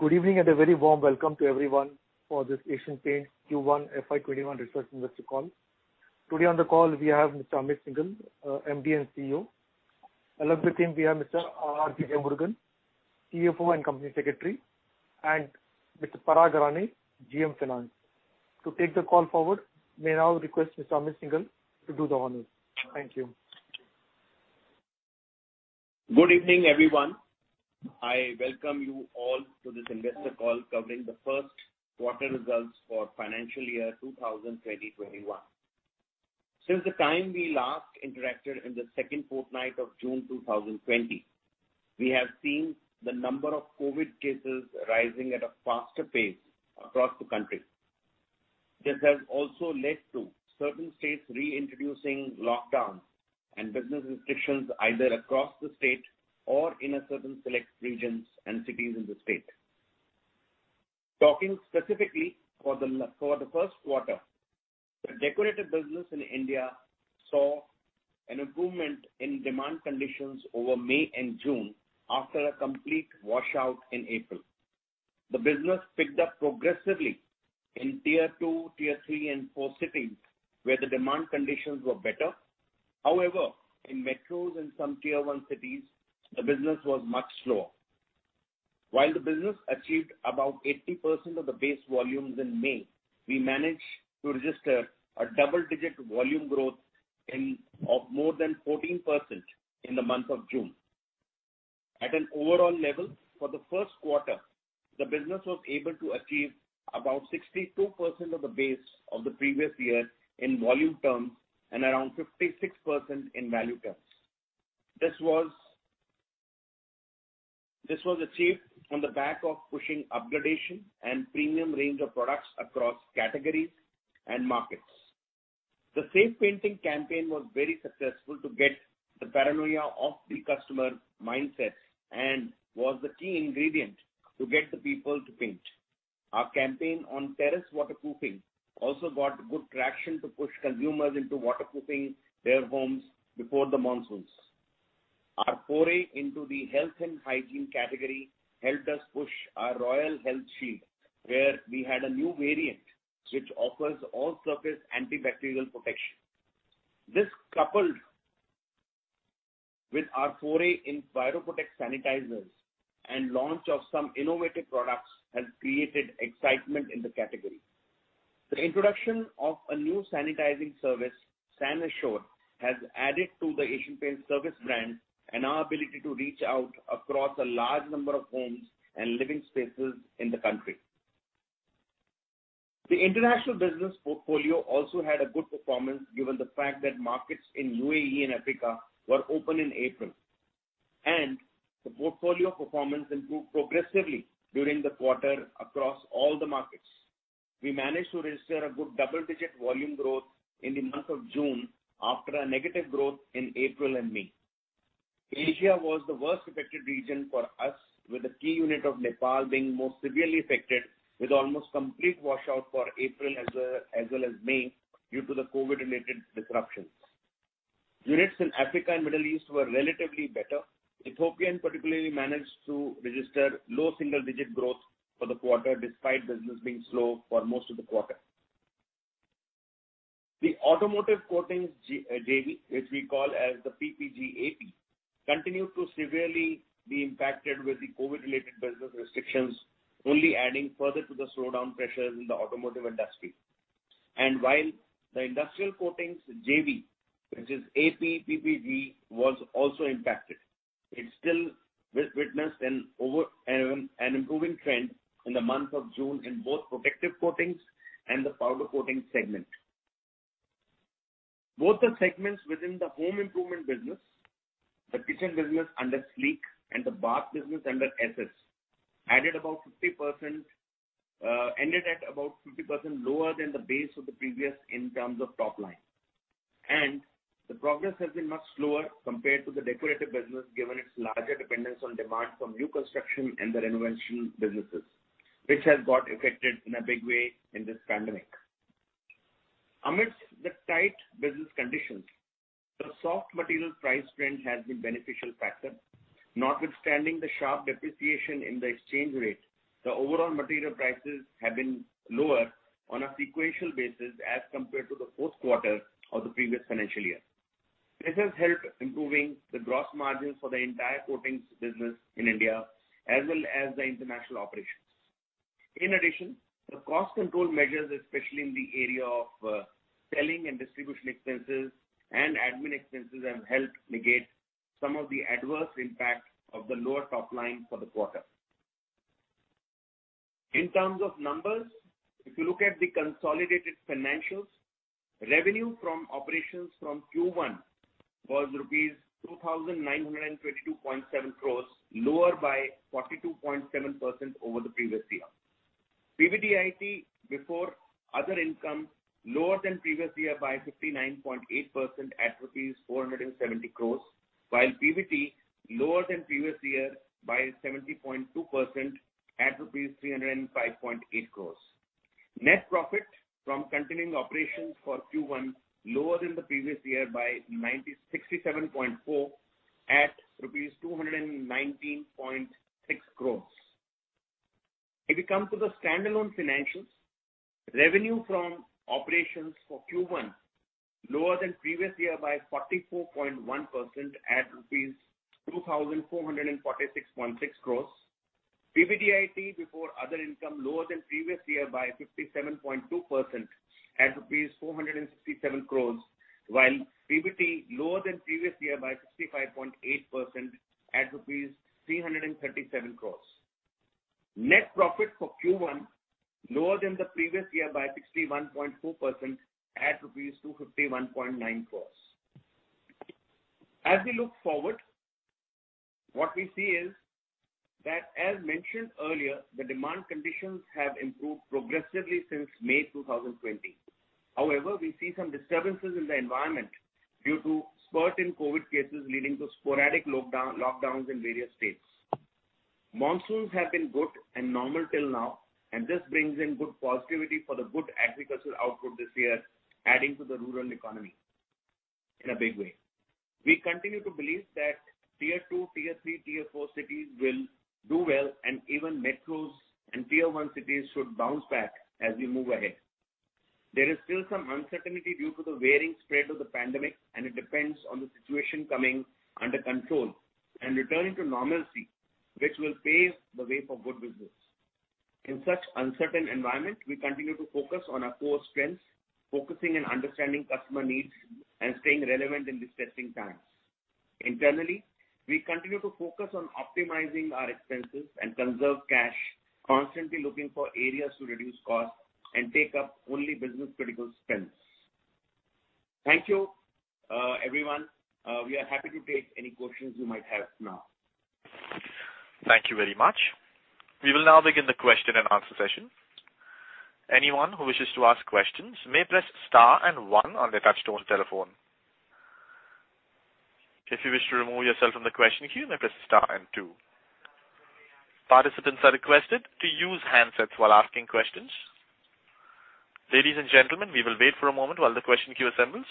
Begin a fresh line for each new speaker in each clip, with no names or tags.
Good evening, and a very warm welcome to everyone for this Asian Paints Q1 FY 2021 results investor call. Today on the call we have Mr. Amit Syngle, MD & CEO. Along with him we have Mr. R. J. Jeyamurugan, CFO and Company Secretary, and Mr. Parag Rane, GM Finance. To take the call forward, may now request Mr. Amit Syngle to do the honors. Thank you.
Good evening, everyone. I welcome you all to this investor call covering the first quarter results for financial year 2020/2021. Since the time we last interacted in the second fortnight of June 2020, we have seen the number of COVID-19 cases rising at a faster pace across the country. This has also led to certain states reintroducing lockdowns and business restrictions either across the state or in certain select regions and cities in the state. Talking specifically for the first quarter, the decorative business in India saw an improvement in demand conditions over May and June after a complete washout in April. The business picked up progressively in Tier II, Tier III, and Tier IV cities, where the demand conditions were better. However, in Metros and some Tier I cities, the business was much slower. While the business achieved about 80% of the base volumes in May, we managed to register a double-digit volume growth of more than 14% in the month of June. At an overall level, for the first quarter, the business was able to achieve about 62% of the base of the previous year in volume terms and around 56% in value terms. This was achieved on the back of pushing upgradation and premium range of products across categories and markets. The safe painting campaign was very successful to get the paranoia of the customer mindset and was the key ingredient to get the people to paint. Our campaign on terrace waterproofing also got good traction to push consumers into waterproofing their homes before the monsoons. Our foray into the health and hygiene category helped us push our Royale Health Shield, where we had a new variant, which offers all-surface antibacterial protection. This coupled with our foray in Viroprotek sanitizers and launch of some innovative products has created excitement in the category. The introduction of a new sanitizing service, San Assure, has added to the Asian Paints service brand and our ability to reach out across a large number of homes and living spaces in the country. The international business portfolio also had a good performance given the fact that markets in UAE and Africa were open in April. The portfolio performance improved progressively during the quarter across all the markets. We managed to register a good double-digit volume growth in the month of June after a negative growth in April and May. Asia was the worst affected region for us, with the key unit of Nepal being most severely affected with almost complete washout for April as well as May due to the COVID-related disruptions. Units in Africa and Middle East were relatively better. Ethiopia particularly managed to register low single-digit growth for the quarter, despite business being slow for most of the quarter. The automotive coatings JV, which we call as the PPG AP, continued to severely be impacted with the COVID-related business restrictions, only adding further to the slowdown pressures in the automotive industry. While the industrial coatings JV, which is AP PPG, was also impacted, it still witnessed an improving trend in the month of June in both protective coatings and the powder coatings segment. Both the segments within the home improvement business, the kitchen business under Sleek and the bath business under Ess Ess, ended at about 50% lower than the base of the previous in terms of top line. The progress has been much slower compared to the decorative business, given its larger dependence on demand from new construction and renovation businesses, which has got affected in a big way in this pandemic. Amidst the tight business conditions, the soft material price trend has been beneficial factor. Notwithstanding the sharp depreciation in the exchange rate, the overall material prices have been lower on a sequential basis as compared to the fourth quarter of the previous financial year. This has helped improving the gross margins for the entire coatings business in India as well as the international operations. In addition, the cost control measures, especially in the area of selling and distribution expenses and admin expenses, have helped negate some of the adverse impacts of the lower top line for the quarter. In terms of numbers, if you look at the consolidated financials, revenue from operations from Q1 was rupees 2,922.7 crores, lower by 42.7% over the previous year. PBDIT before other income, lower than previous year by 59.8% at 470 crores, while PBT lower than previous year by 70.2% at rupees 305.8 crores. Net profit from continuing operations for Q1 lower than the previous year by 67.4% at rupees 219.6 crores. If we come to the standalone financials, revenue from operations for Q1, lower than previous year by 44.1% at rupees 2,446.6 crores. PBDIT before other income lower than previous year by 57.2% at rupees 467 crores, while PBT lower than previous year by 65.8% at rupees 337 crores. Net profit for Q1 lower than the previous year by 61.4% at rupees 251.9 crores. As we look forward, what we see is that as mentioned earlier, the demand conditions have improved progressively since May 2020. We see some disturbances in the environment due to spurt in COVID-19 cases, leading to sporadic lockdowns in various states. Monsoons have been good and normal till now, this brings in good positivity for the good agricultural output this year, adding to the rural economy in a big way. We continue to believe that Tier II, Tier III, Tier IV cities will do well and even metros and Tier I cities should bounce back as we move ahead. There is still some uncertainty due to the varying spread of the pandemic, and it depends on the situation coming under control and returning to normalcy, which will pave the way for good business. In such uncertain environment, we continue to focus on our core strengths, focusing and understanding customer needs and staying relevant in these testing times. Internally, we continue to focus on optimizing our expenses and conserve cash, constantly looking for areas to reduce costs and take up only business-critical spends. Thank you, everyone. We are happy to take any questions you might have now.
Thank you very much. We will now begin the question and answer session. Anyone who wishes to ask questions may press star and one on their touch-tone telephone. If you wish to remove yourself from the question queue, you may press star and two. Participants are requested to use handsets while asking questions. Ladies and gentlemen, we will wait for a moment while the question queue assembles.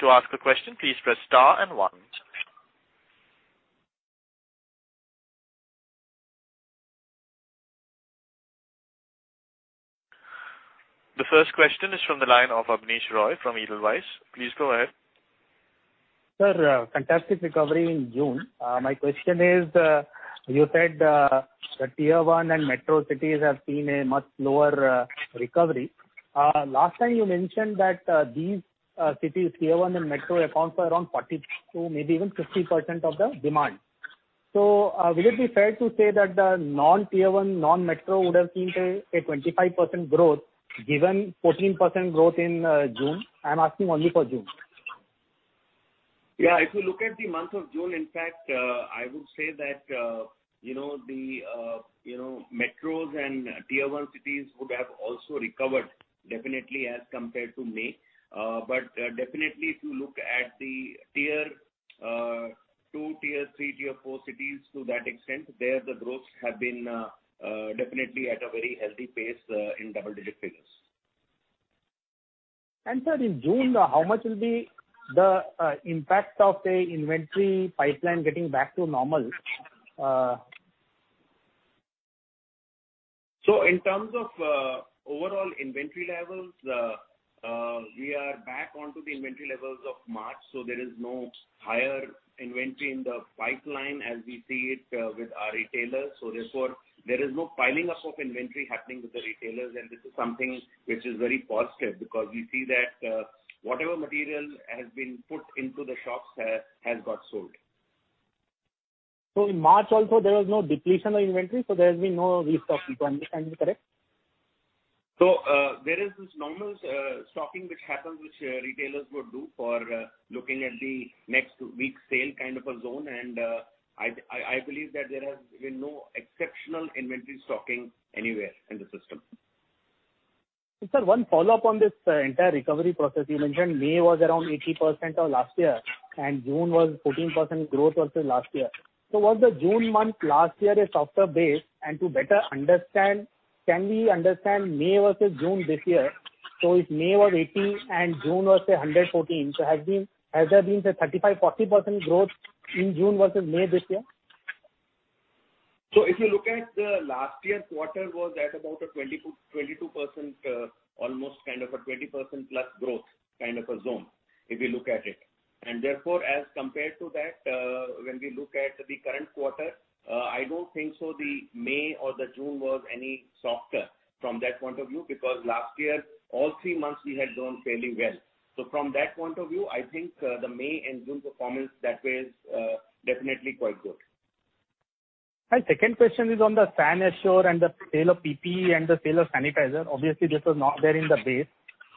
To ask a question, please press star and one. The first question is from the line of Abneesh Roy from Edelweiss. Please go ahead.
Sir, fantastic recovery in June. My question is, you said that Tier I and metro cities have seen a much lower recovery. Last time you mentioned that these cities, Tier I and metro account for around 40% to maybe even 50% of the demand. Would it be fair to say that the non-Tier I, non-metro would have seen a 25% growth given 14% growth in June? I'm asking only for June.
If you look at the month of June, in fact, I would say that the metros and Tier I cities would have also recovered definitely as compared to May. Definitely if you look at the Tier II, Tier III, Tier IV cities, to that extent, there the growths have been definitely at a very healthy pace in double-digit figures.
Sir, in June, how much will be the impact of the inventory pipeline getting back to normal?
In terms of overall inventory levels, we are back onto the inventory levels of March. There is no higher inventory in the pipeline as we see it with our retailers. Therefore, there is no piling up of inventory happening with the retailers and this is something which is very positive because we see that whatever material has been put into the shops has got sold.
In March also, there was no depletion of inventory, so there has been no restocking. To understand, is it correct?
There is this normal stocking which happens, which retailers would do for looking at the next week's sale kind of a zone, and I believe that there has been no exceptional inventory stocking anywhere in the system.
Sir, one follow-up on this entire recovery process. You mentioned May was around 80% of last year, and June was 14% growth versus last year. Was the June month last year a softer base? To better understand, can we understand May versus June this year? If May was 80% and June was 114%, so has there been 35%, 40% growth in June versus May this year?
If you look at the last year's quarter was at about almost a 20%+ growth kind of a zone, if you look at it. Therefore, as compared to that, when we look at the current quarter, I don't think so the May or the June was any softer from that point of view, because last year, all three months we had done fairly well. From that point of view, I think the May and June performance that way is definitely quite good.
Second question is on the San Assure and the sale of PPE and the sale of sanitizer. Obviously, this was not there in the base.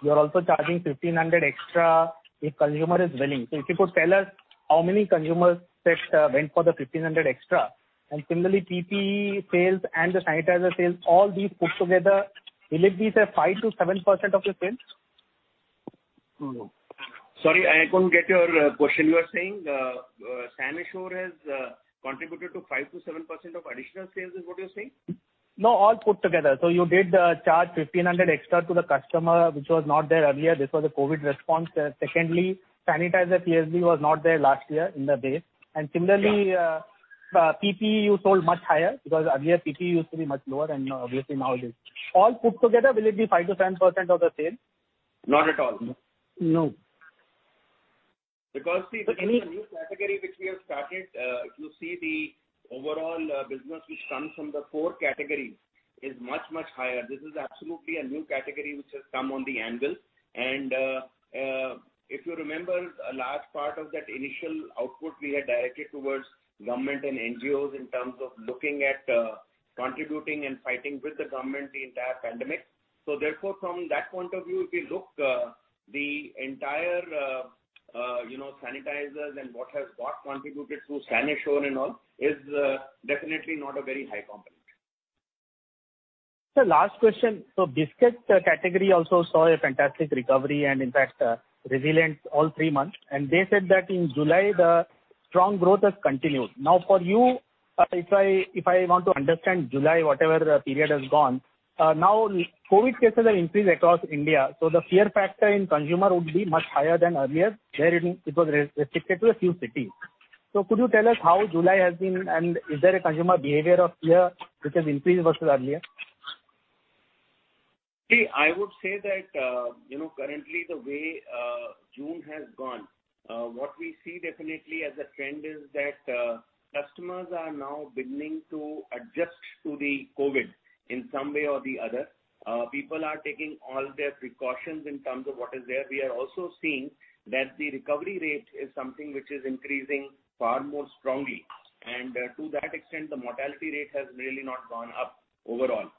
You are also charging 1,500 extra if consumer is willing. If you could tell us how many consumers went for the 1,500 extra? Similarly, PPE sales and the sanitizer sales, all these put together, will it be 5%-7% of the sales?
Sorry, I couldn't get your question. You are saying San Assure has contributed to 5%-7% of additional sales, is what you're saying?
No, all put together. You did charge 1,500 extra to the customer, which was not there earlier. This was a COVID-19 response. Secondly, sanitizer PSB was not there last year in the base. Similarly, PPE you sold much higher because earlier PPE used to be much lower and obviously now it is. All put together, will it be 5%-7% of the sale?
Not at all.
No.
Because see, this is a new category which we have started. If you see the overall business which comes from the four categories is much, much higher. This is absolutely a new category which has come on the anvil. If you remember, a large part of that initial output we had directed towards government and NGOs in terms of looking at contributing and fighting with the government the entire pandemic. Therefore, from that point of view, if we look the entire sanitizers and what has got contributed through San Assure and all, is definitely not a very high component.
Sir, last question. Biscuit category also saw a fantastic recovery and in fact, resilient all three months, and they said that in July, the strong growth has continued. For you, if I want to understand July, whatever period has gone. COVID-19 cases are increased across India, so the fear factor in consumer would be much higher than earlier, wherein it was restricted to a few cities. Could you tell us how July has been, and is there a consumer behavior of fear which has increased versus earlier?
I would say that currently the way June has gone, what we see definitely as a trend is that customers are now beginning to adjust to the COVID-19 in some way or the other. People are taking all their precautions in terms of what is there. We are also seeing that the recovery rate is something which is increasing far more strongly. To that extent, the mortality rate has really not gone up overall.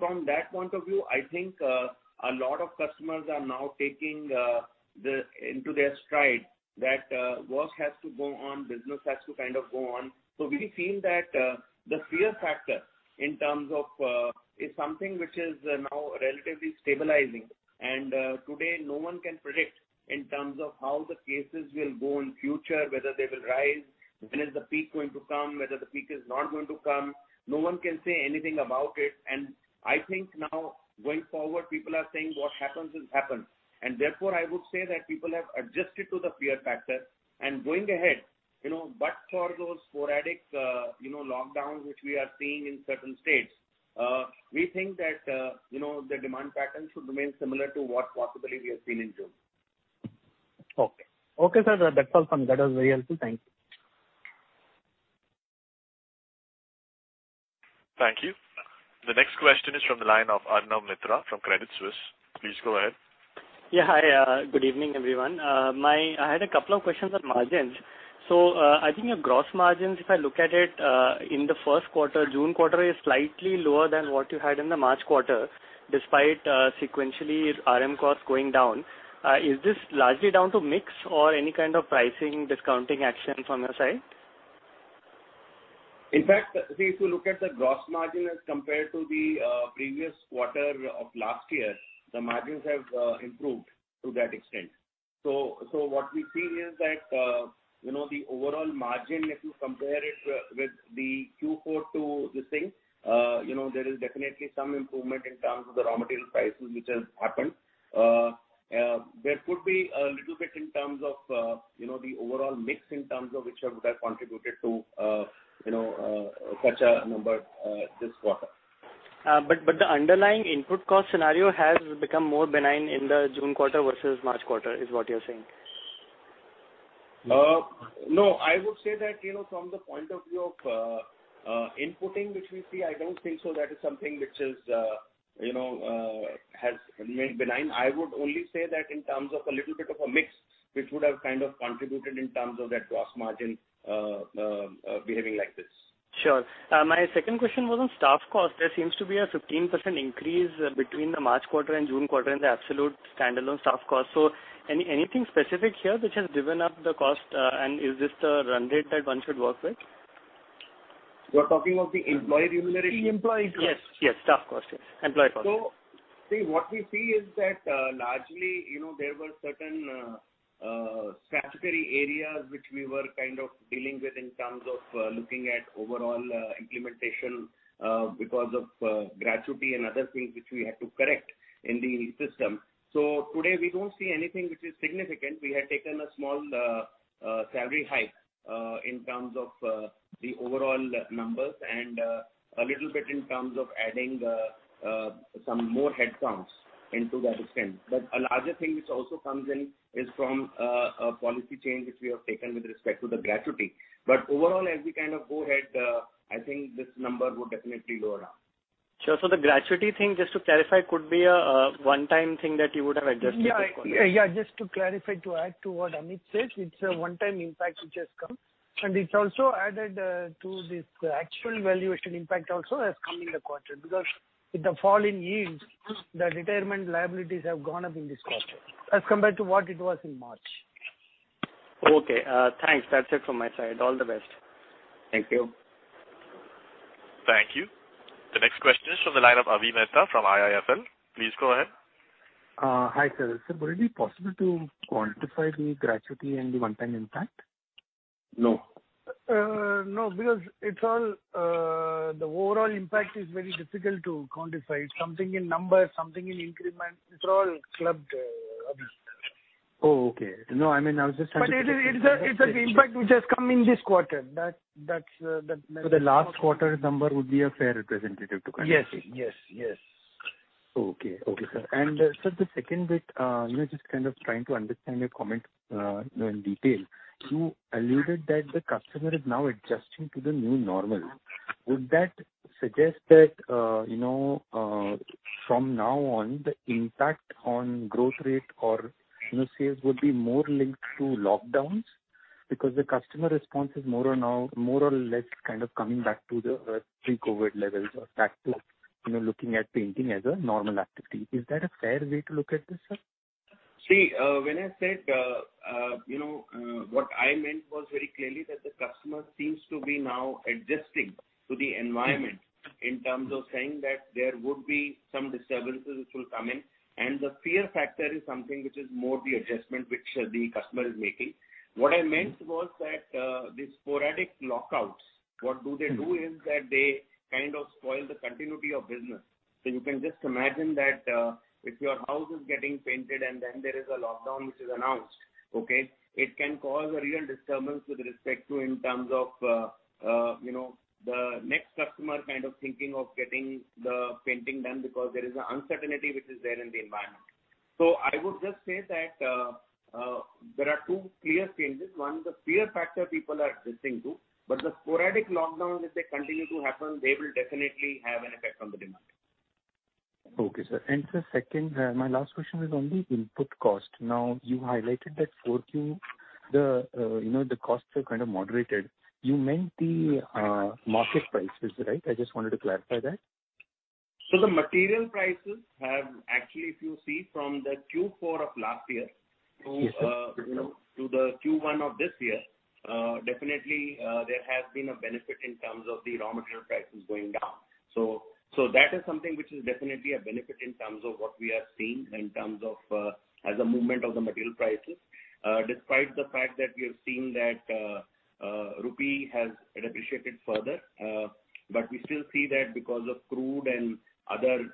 From that point of view, I think a lot of customers are now taking into their stride that work has to go on, business has to kind of go on. We feel that the fear factor is something which is now relatively stabilizing. Today, no one can predict in terms of how the cases will go in future, whether they will rise, when is the peak going to come, whether the peak is not going to come. No one can say anything about it. I think now going forward, people are saying what happens will happen. Therefore, I would say that people have adjusted to the fear factor. Going ahead, but for those sporadic lockdowns which we are seeing in certain states, we think that the demand pattern should remain similar to what possibly we have seen in June.
Okay. Okay, sir, that's all from me. That was very helpful. Thank you.
Thank you. The next question is from the line of Arnab Mitra from Credit Suisse. Please go ahead.
Yeah, hi. Good evening, everyone. I had a couple of questions on margins. I think your gross margins, if I look at it, in the first quarter, June quarter is slightly lower than what you had in the March quarter, despite sequentially RM costs going down. Is this largely down to mix or any kind of pricing discounting actions on your side?
In fact, if you look at the gross margin as compared to the previous quarter of last year, the margins have improved to that extent. What we see is that, the overall margin, if you compare it with the Q4 to this thing, there is definitely some improvement in terms of the raw material prices which has happened. There could be a little bit in terms of the overall mix in terms of which would have contributed to such a number this quarter.
The underlying input cost scenario has become more benign in the June quarter versus March quarter, is what you're saying?
I would say that from the point of view of inputting, which we see, I don't think so that is something which has remained benign. I would only say that in terms of a little bit of a mix, which would have kind of contributed in terms of that gross margin behaving like this.
Sure. My second question was on staff cost. There seems to be a 15% increase between the March quarter and June quarter in the absolute standalone staff cost. Anything specific here which has driven up the cost? Is this the run rate that one should work with?
You're talking of the employee remuneration?
The employee, yes. Staff cost, yes. Employee cost.
See, what we see is that largely, there were certain statutory areas which we were kind of dealing with in terms of looking at overall implementation because of gratuity and other things which we had to correct in the system. Today, we don't see anything which is significant. We had taken a small salary hike in terms of the overall numbers and a little bit in terms of adding some more headcounts into that extent. A larger thing which also comes in is from a policy change which we have taken with respect to the gratuity. Overall, as we kind of go ahead, I think this number would definitely lower down.
Sure. The gratuity thing, just to clarify, could be a one-time thing that you would have adjusted this quarter.
Yeah, just to clarify, to add to what Amit Syngle said, it's a one-time impact which has come, and it's also added to this actual valuation impact also has come in the quarter because with the fall in yield, the retirement liabilities have gone up in this quarter as compared to what it was in March.
Okay. Thanks. That's it from my side. All the best.
Thank you.
Thank you. The next question is from the line of Avi Mehta from IIFL. Please go ahead.
Hi, sir. Sir, would it be possible to quantify the gratuity and the one-time impact?
No.
No, because the overall impact is very difficult to quantify. It's something in numbers, something in increments. It's all clubbed up.
Oh, okay. No, I mean.
It's an impact which has come in this quarter.
The last quarter number would be a fair representative to kind of see.
Yes.
Okay, sir. Sir, the second bit, just kind of trying to understand your comment in detail. You alluded that the customer is now adjusting to the new normal. Would that suggest that, from now on, the impact on growth rate or sales would be more linked to lockdowns because the customer response is more or less kind of coming back to the pre-COVID-19 levels or back to looking at painting as a normal activity. Is that a fair way to look at this, sir?
See, when I said, what I meant was very clearly that the customer seems to be now adjusting to the environment in terms of saying that there would be some disturbances which will come in, and the fear factor is something which is more the adjustment which the customer is making. What I meant was that these sporadic lockouts, what do they do is that they kind of spoil the continuity of business. You can just imagine that if your house is getting painted and then there is a lockdown which is announced, okay, it can cause a real disturbance with respect to in terms of the next customer kind of thinking of getting the painting done because there is an uncertainty which is there in the environment. I would just say that there are two clear changes. One, the fear factor people are adjusting to, but the sporadic lockdowns, if they continue to happen, they will definitely have an effect on the demand.
Okay, sir. Sir, second, my last question is on the input cost. Now, you highlighted that Q4, the costs were kind of moderated. You meant the market prices, right? I just wanted to clarify that.
The material prices have actually, if you see from the Q4 of last year to the Q1 of this year, definitely, there has been a benefit in terms of the raw material prices going down. That is something which is definitely a benefit in terms of what we are seeing in terms of as a movement of the material prices. Despite the fact that we have seen that Rupee has depreciated further, but we still see that because of crude and other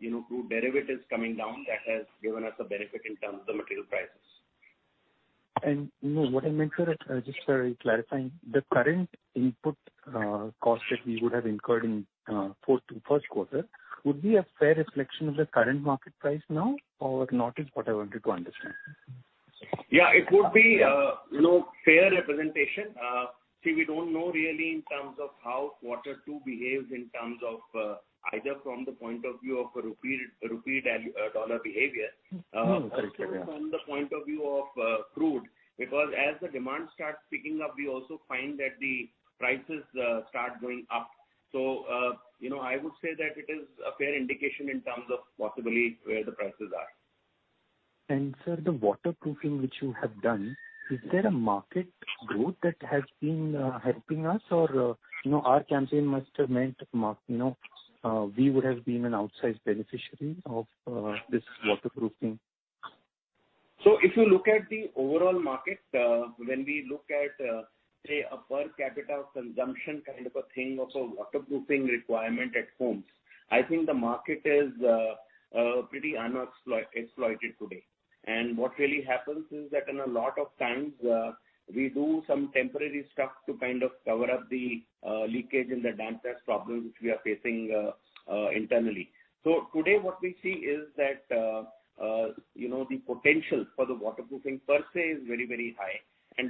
crude derivatives coming down, that has given us a benefit in terms of material prices.
What I meant, sir, just clarifying, the current input cost that we would have incurred in first quarter would be a fair reflection of the current market price now or not, is what I wanted to understand.
It would be a fair representation. See, we don't know really in terms of how quarter two behaves in terms of either from the point of view of the rupee-dollar behavior.
Correct, yeah
From the point of view of crude, because as the demand starts picking up, we also find that the prices start going up. I would say that it is a fair indication in terms of possibly where the prices are.
Sir, the waterproofing which you have done, is there a market growth that has been helping us or our campaign must have meant we would have been an outsized beneficiary of this waterproofing?
If you look at the overall market, when we look at, say, a per capita consumption kind of a thing of a waterproofing requirement at homes, I think the market is pretty unexploited today. What really happens is that in a lot of times, we do some temporary stuff to kind of cover up the leakage and the dampness problems which we are facing internally. Today what we see is that the potential for the waterproofing per se is very high.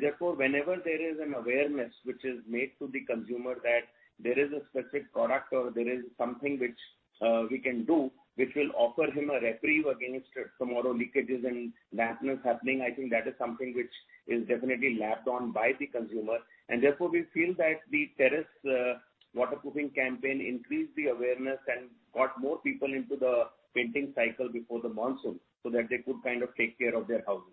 Therefore, whenever there is an awareness which is made to the consumer that there is a specific product or there is something which we can do, which will offer him a reprieve against tomorrow leakages and dampness happening, I think that is something which is definitely lapped on by the consumer. Therefore, we feel that the terrace waterproofing campaign increased the awareness and got more people into the painting cycle before the monsoon, so that they could kind of take care of their houses.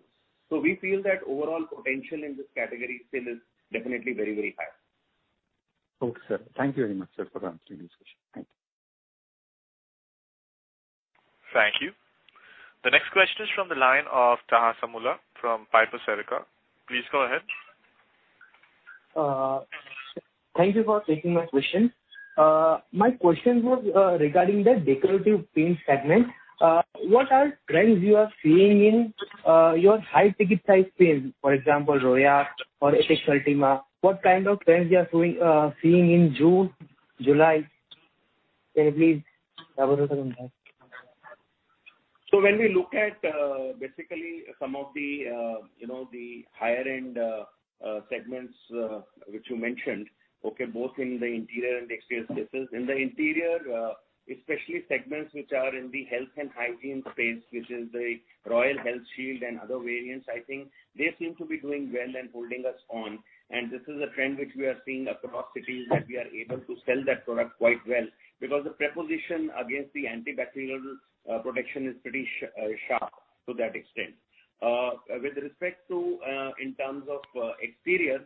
We feel that overall potential in this category still is definitely very high.
Okay, sir. Thank you very much, sir, for answering this question. Thank you.
Thank you. The next question is from the line of Taha Samula from Piper Sarika. Please go ahead.
Thank you for taking my question. My question was regarding the decorative paint segment. What are trends you are seeing in your high-ticket size paint? For example, Royale or Ultima. What kind of trends you are seeing in June, July? Can you please elaborate on that?
When we look at basically some of the higher-end segments which you mentioned, okay, both in the interior and exterior spaces. In the interior, especially segments which are in the health and hygiene space, which is the Royale Health Shield and other variants, I think, they seem to be doing well and holding us on. This is a trend which we are seeing across cities that we are able to sell that product quite well because the proposition against the antibacterial protection is pretty sharp to that extent. With respect to in terms of exterior,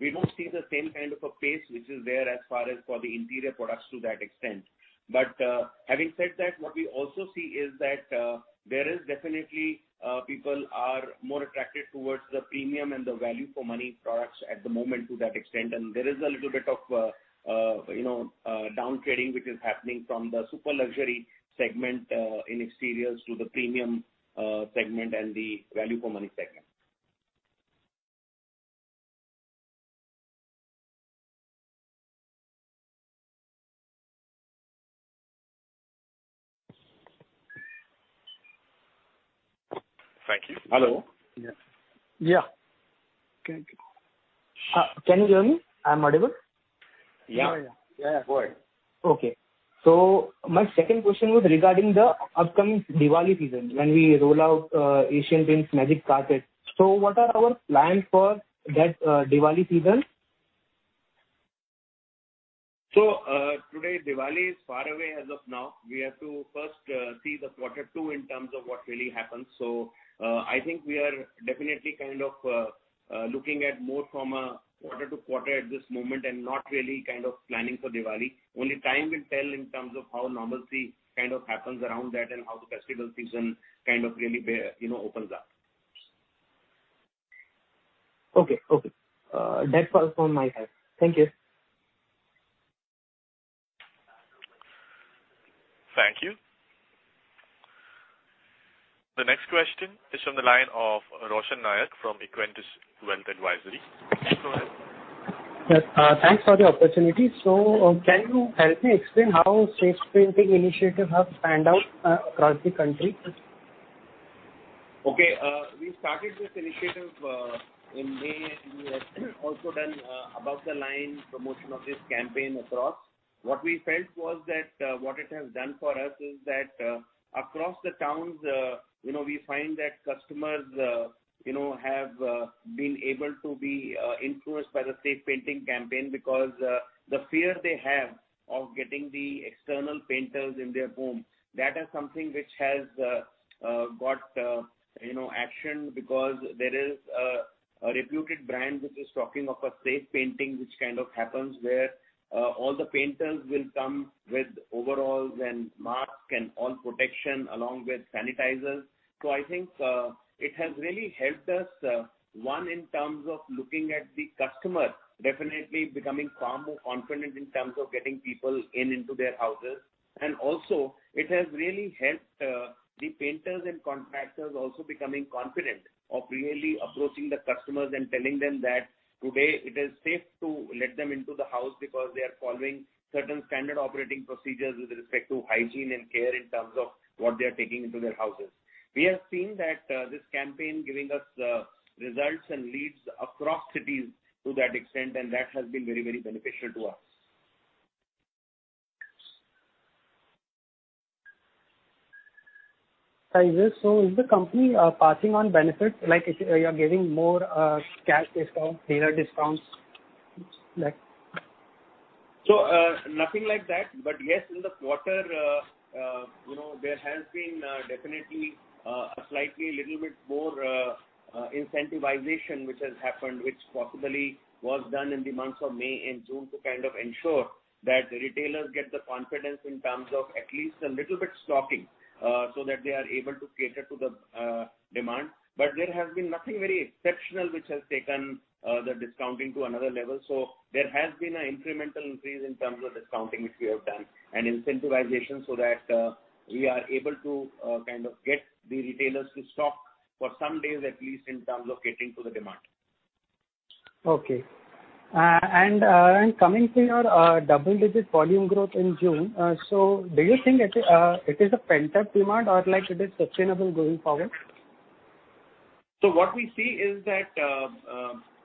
we don't see the same kind of a pace which is there as far as for the interior products to that extent. Having said that, what we also see is that there is definitely people are more attracted towards the premium and the value for money products at the moment to that extent. There is a little bit of down trading, which is happening from the super luxury segment in exteriors to the premium segment and the value for money segment.
Thank you.
Hello?
Yeah. Can you hear me? I'm audible?
Yeah. Go ahead.
Okay. My second question was regarding the upcoming Diwali season when we roll out Asian Paints Magic Carpet. What are our plans for that Diwali season?
Today, Diwali is far away as of now. We have to first see the quarter two in terms of what really happens. I think we are definitely looking at more from a quarter-to-quarter at this moment and not really planning for Diwali. Only time will tell in terms of how normalcy happens around that and how the festival season really opens up.
Okay. That was all from my side. Thank you.
Thank you. The next question is from the line of Roshan Nayak from Equentis Wealth Advisory. Go ahead.
Yes, thanks for the opportunity. Can you help me explain how safe painting initiatives have panned out across the country?
Okay. We started this initiative in May. We had also done above the line promotion of this campaign across. What we felt was that what it has done for us is that, across the towns we find that customers have been able to be influenced by the safe painting campaign because the fear they have of getting the external painters in their home, that is something which has got traction because there is a reputed brand which is talking of a safe painting, which kind of happens where all the painters will come with overalls and mask and all protection along with sanitizers. I think, it has really helped us, one, in terms of looking at the customer definitely becoming far more confident in terms of getting people in into their houses. It has really helped the painters and contractors also becoming confident of really approaching the customers and telling them that today it is safe to let them into the house because they are following certain standard operating procedures with respect to hygiene and care in terms of what they are taking into their houses. We have seen that this campaign giving us results and leads across cities to that extent. That has been very beneficial to us.
Is the company passing on benefits? Like you're giving more cash discount, dealer discounts?
Nothing like that. Yes, in the quarter, there has been definitely a slightly little bit more incentivization which has happened, which possibly was done in the months of May and June to kind of ensure that the retailers get the confidence in terms of at least a little bit stocking, so that they are able to cater to the demand. There has been nothing very exceptional which has taken the discounting to another level. There has been an incremental increase in terms of discounting which we have done and incentivization so that we are able to get the retailers to stock for some days at least in terms of catering to the demand.
Okay. Coming to your double-digit volume growth in June, so do you think it is a pent-up demand or it is sustainable going forward?
What we see is that,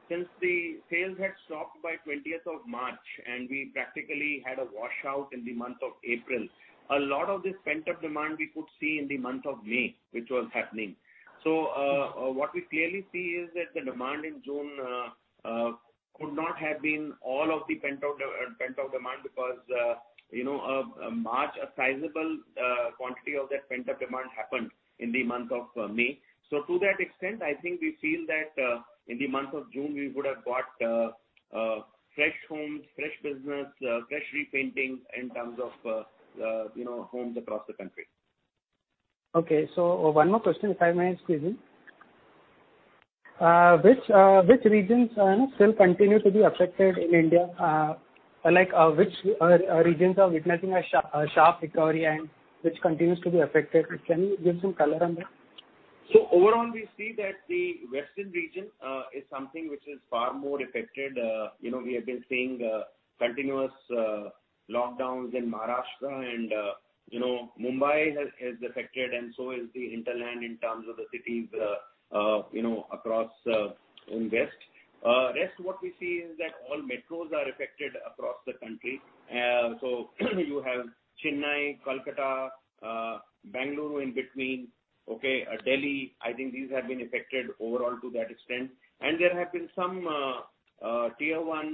since the sales had stopped by 20th of March, and we practically had a washout in the month of April, a lot of this pent-up demand we could see in the month of May, which was happening. What we clearly see is that the demand in June could not have been all of the pent-up demand because March, a sizable quantity of that pent-up demand happened in the month of May. To that extent, I think we feel that in the month of June, we would have got fresh homes, fresh business, fresh repainting in terms of homes across the country.
Okay, one more question, if I may, excuse me. Which regions still continue to be affected in India? Which regions are witnessing a sharp recovery and which continues to be affected? Can you give some color on that?
Overall, we see that the western region is something which is far more affected. We have been seeing continuous lockdowns in Maharashtra and Mumbai is affected and so is the hinterland in terms of the cities across in West. What we see is that all metros are affected across the country. You have Chennai, Kolkata, Bangalore in between, okay, Delhi. I think these have been affected overall to that extent. There have been some Tier I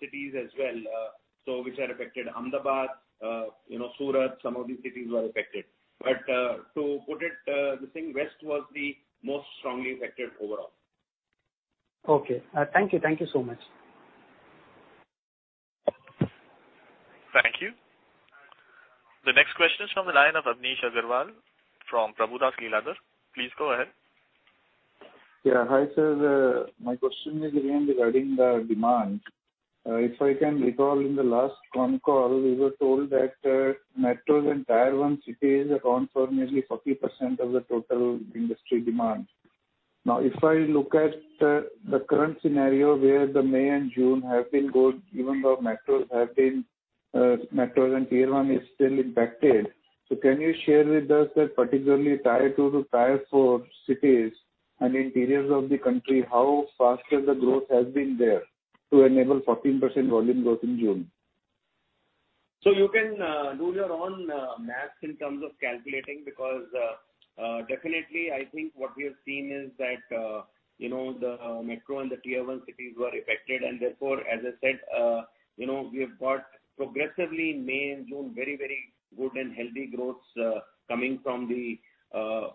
cities as well, which are affected. Ahmedabad, Surat, some of these cities were affected. To put it, the thing West was the most strongly affected overall.
Okay. Thank you so much.
Thank you. The next question is from the line of Amnish Aggarwal from Prabhudas Lilladher. Please go ahead.
Yeah. Hi, sir. My question is again regarding the demand. If I can recall in the last con call, we were told that metros and Tier I cities account for nearly 40% of the total industry demand. If I look at the current scenario where the May and June have been good, even though metros and Tier I is still impacted. Can you share with us that particularly Tier II to Tier IV cities and interiors of the country, how faster the growth has been there to enable 14% volume growth in June?
You can do your own math in terms of calculating, because definitely, I think what we have seen is that the metro and the Tier I cities were affected, and therefore, as I said, we have got progressively in May and June, very good and healthy growths coming from the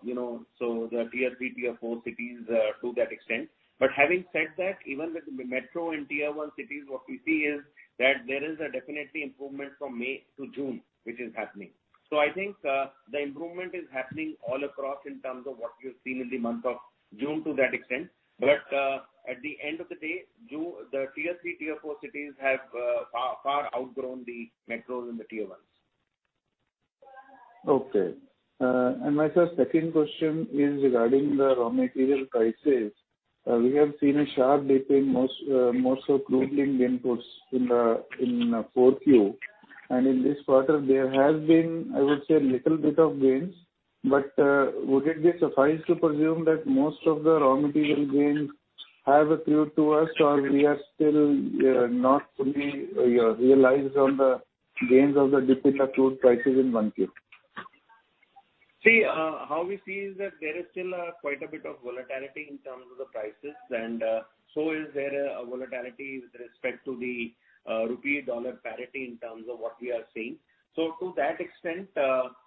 Tier III, Tier IV cities to that extent. Having said that, even with the metro and Tier I cities, what we see is that there is a definite improvement from May to June, which is happening. I think the improvement is happening all across in terms of what we have seen in the month of June to that extent. At the end of the day, the Tier III, Tier IV cities have far outgrown the metros and the Tier Is.
Okay. My second question is regarding the raw material prices. We have seen a sharp decline, more so crude linked inputs in Q4. In this quarter, there has been, I would say, little bit of gains. Would it be suffice to presume that most of the raw material gains have accrued to us, or we are still not fully realized on the gains of the dip in the crude prices in Q1?
See, how we see is that there is still quite a bit of volatility in terms of the prices. Is there a volatility with respect to the Rupee Dollar parity in terms of what we are seeing. To that extent,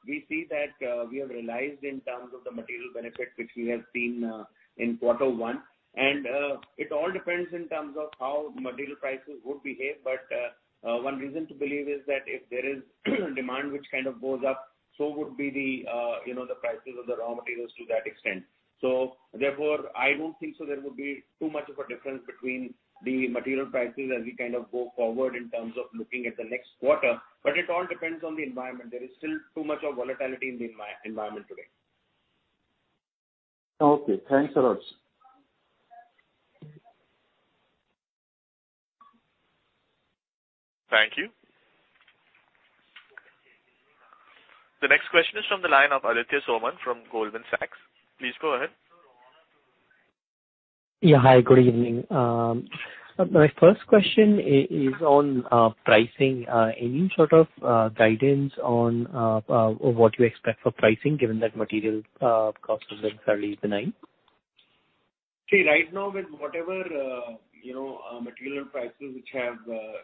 we see that we have realized in terms of the material benefit, which we have seen in quarter one. It all depends in terms of how material prices would behave, but one reason to believe is that if there is demand which kind of goes up, so would be the prices of the raw materials to that extent. I don't think so there would be too much of a difference between the material prices as we kind of go forward in terms of looking at the next quarter, but it all depends on the environment. There is still too much of volatility in the environment today.
Okay, thanks a lot.
Thank you. The next question is from the line of Aditya Soman from Goldman Sachs. Please go ahead.
Yeah, hi, good evening. My first question is on pricing. Any sort of guidance on what you expect for pricing given that material costs are necessarily benign?
See, right now, with whatever material prices which have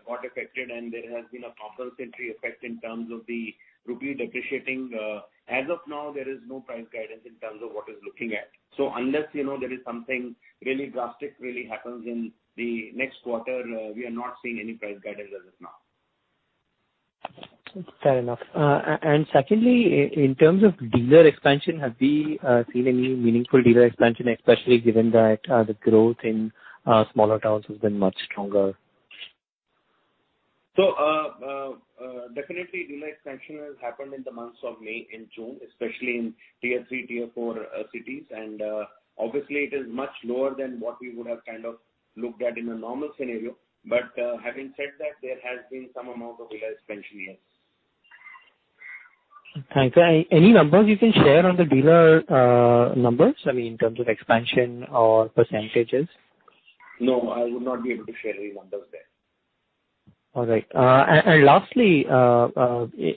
got affected, and there has been a compensatory effect in terms of the rupee depreciating, as of now, there is no price guidance in terms of what is looking at. Unless there is something really drastic happens in the next quarter, we are not seeing any price guidance as of now.
Fair enough. Secondly, in terms of dealer expansion, have we seen any meaningful dealer expansion, especially given that the growth in smaller towns has been much stronger?
Definitely, dealer expansion has happened in the months of May and June, especially in Tier III, Tier IV cities. Obviously, it is much lower than what we would have kind of looked at in a normal scenario. Having said that, there has been some amount of dealer expansion, yes.
Thanks. Any numbers you can share on the dealer numbers? I mean, in terms of expansion or percentages?
No, I would not be able to share any numbers there.
All right. Lastly,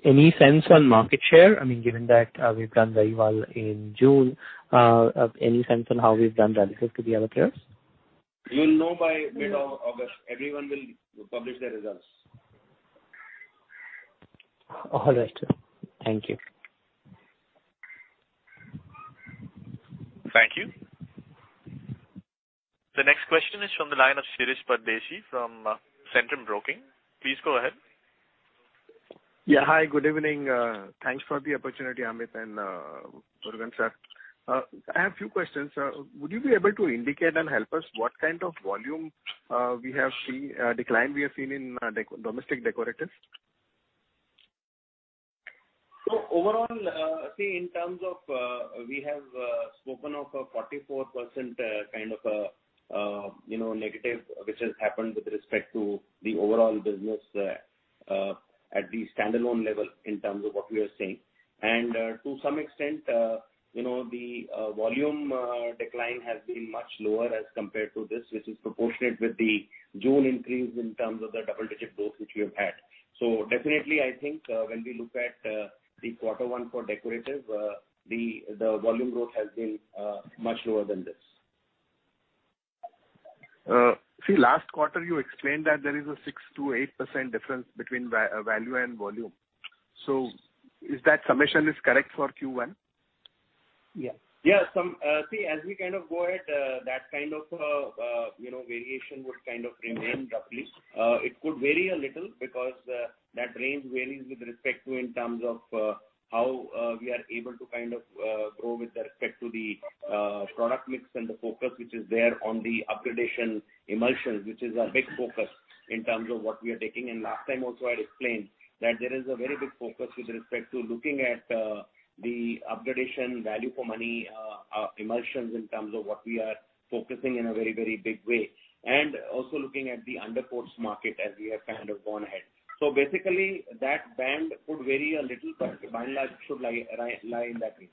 any sense on market share? I mean, given that we've done very well in June, any sense on how we've done relative to the other players?
You'll know by mid of August. Everyone will publish their results.
All right, sir. Thank you.
Thank you. The next question is from the line of Shirish Pardeshi from Centrum Broking. Please go ahead.
Yeah, hi, good evening. Thanks for the opportunity, Amit Syngle and R. J. Jeyamurugan sir. I have few questions. Would you be able to indicate and help us what kind of volume decline we have seen in domestic decoratives?
Overall, we have spoken of a 44% kind of a negative, which has happened with respect to the overall business at the standalone level in terms of what we are seeing. To some extent the volume decline has been much lower as compared to this, which is proportionate with the June increase in terms of the double-digit growth which we have had. Definitely, I think when we look at the quarter one for decorative, the volume growth has been much lower than this.
Last quarter, you explained that there is a 6%-8% difference between value and volume. Is that summation is correct for Q1?
Yes. As we go ahead, that kind of variation would remain roughly. It could vary a little because that range varies with respect to in terms of how we are able to grow with respect to the product mix and the focus, which is there on the up-gradation emulsions, which is our big focus in terms of what we are taking. Last time also, I explained that there is a very big focus with respect to looking at the up-gradation value for money emulsions in terms of what we are focusing in a very big way, and also looking at the undercoats market as we have gone ahead. Basically, that band could vary a little, but by and large, it should lie in that range.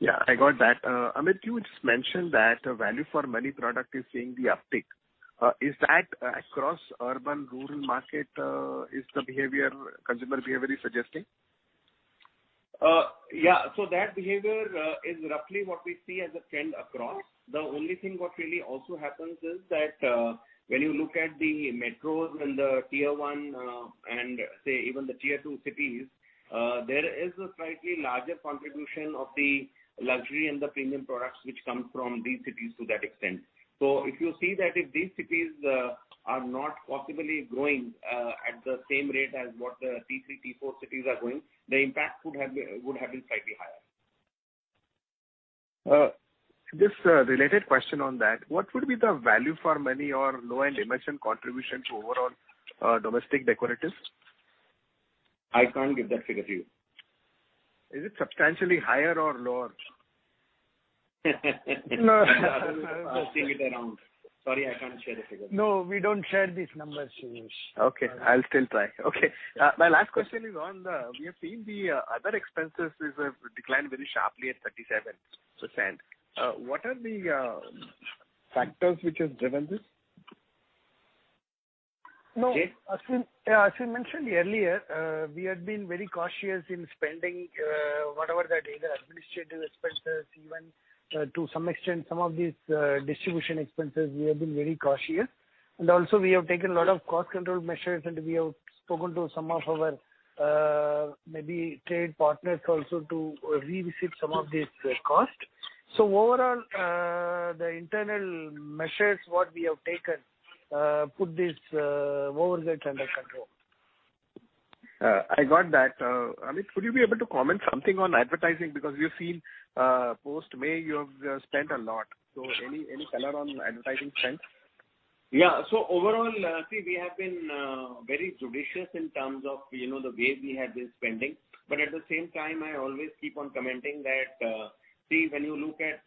Yeah, I got that. Amit Syngle, you just mentioned that value for money product is seeing the uptick. Is that across urban, rural market, is the consumer behavior suggesting?
That behavior is roughly what we see as a trend across. The only thing what really also happens is that when you look at the metros and the Tier I and say even the Tier II cities, there is a slightly larger contribution of the luxury and the premium products which come from these cities to that extent. If you see that if these cities are not possibly growing at the same rate as what the Tier III, Tier IV cities are growing, the impact would have been slightly higher.
Just a related question on that. What would be the value for money or low-end emulsion contribution to overall domestic decoratives?
I can't give that figure to you.
Is it substantially higher or lower?
I don't see it around. Sorry, I can't share the figure.
No, we don't share these numbers, Amnish Aggarwal.
Okay, I'll still try. Okay. My last question is on the, we have seen the other expenses declined very sharply at 37%. What are the factors which has driven this?
No, as we mentioned earlier, we had been very cautious in spending whatever that either administrative expenses, even to some extent, some of these distribution expenses, we have been very cautious. Also we have taken a lot of cost control measures, and we have spoken to some of our maybe trade partners also to revisit some of these costs. Overall, the internal measures, what we have taken, put this overhead under control.
I got that. Amit Syngle, would you be able to comment something on advertising because we've seen post-May you have spent a lot. Any color on advertising spend?
Yeah. Overall, see, we have been very judicious in terms of the way we have been spending. At the same time, I always keep on commenting that, see, when you look at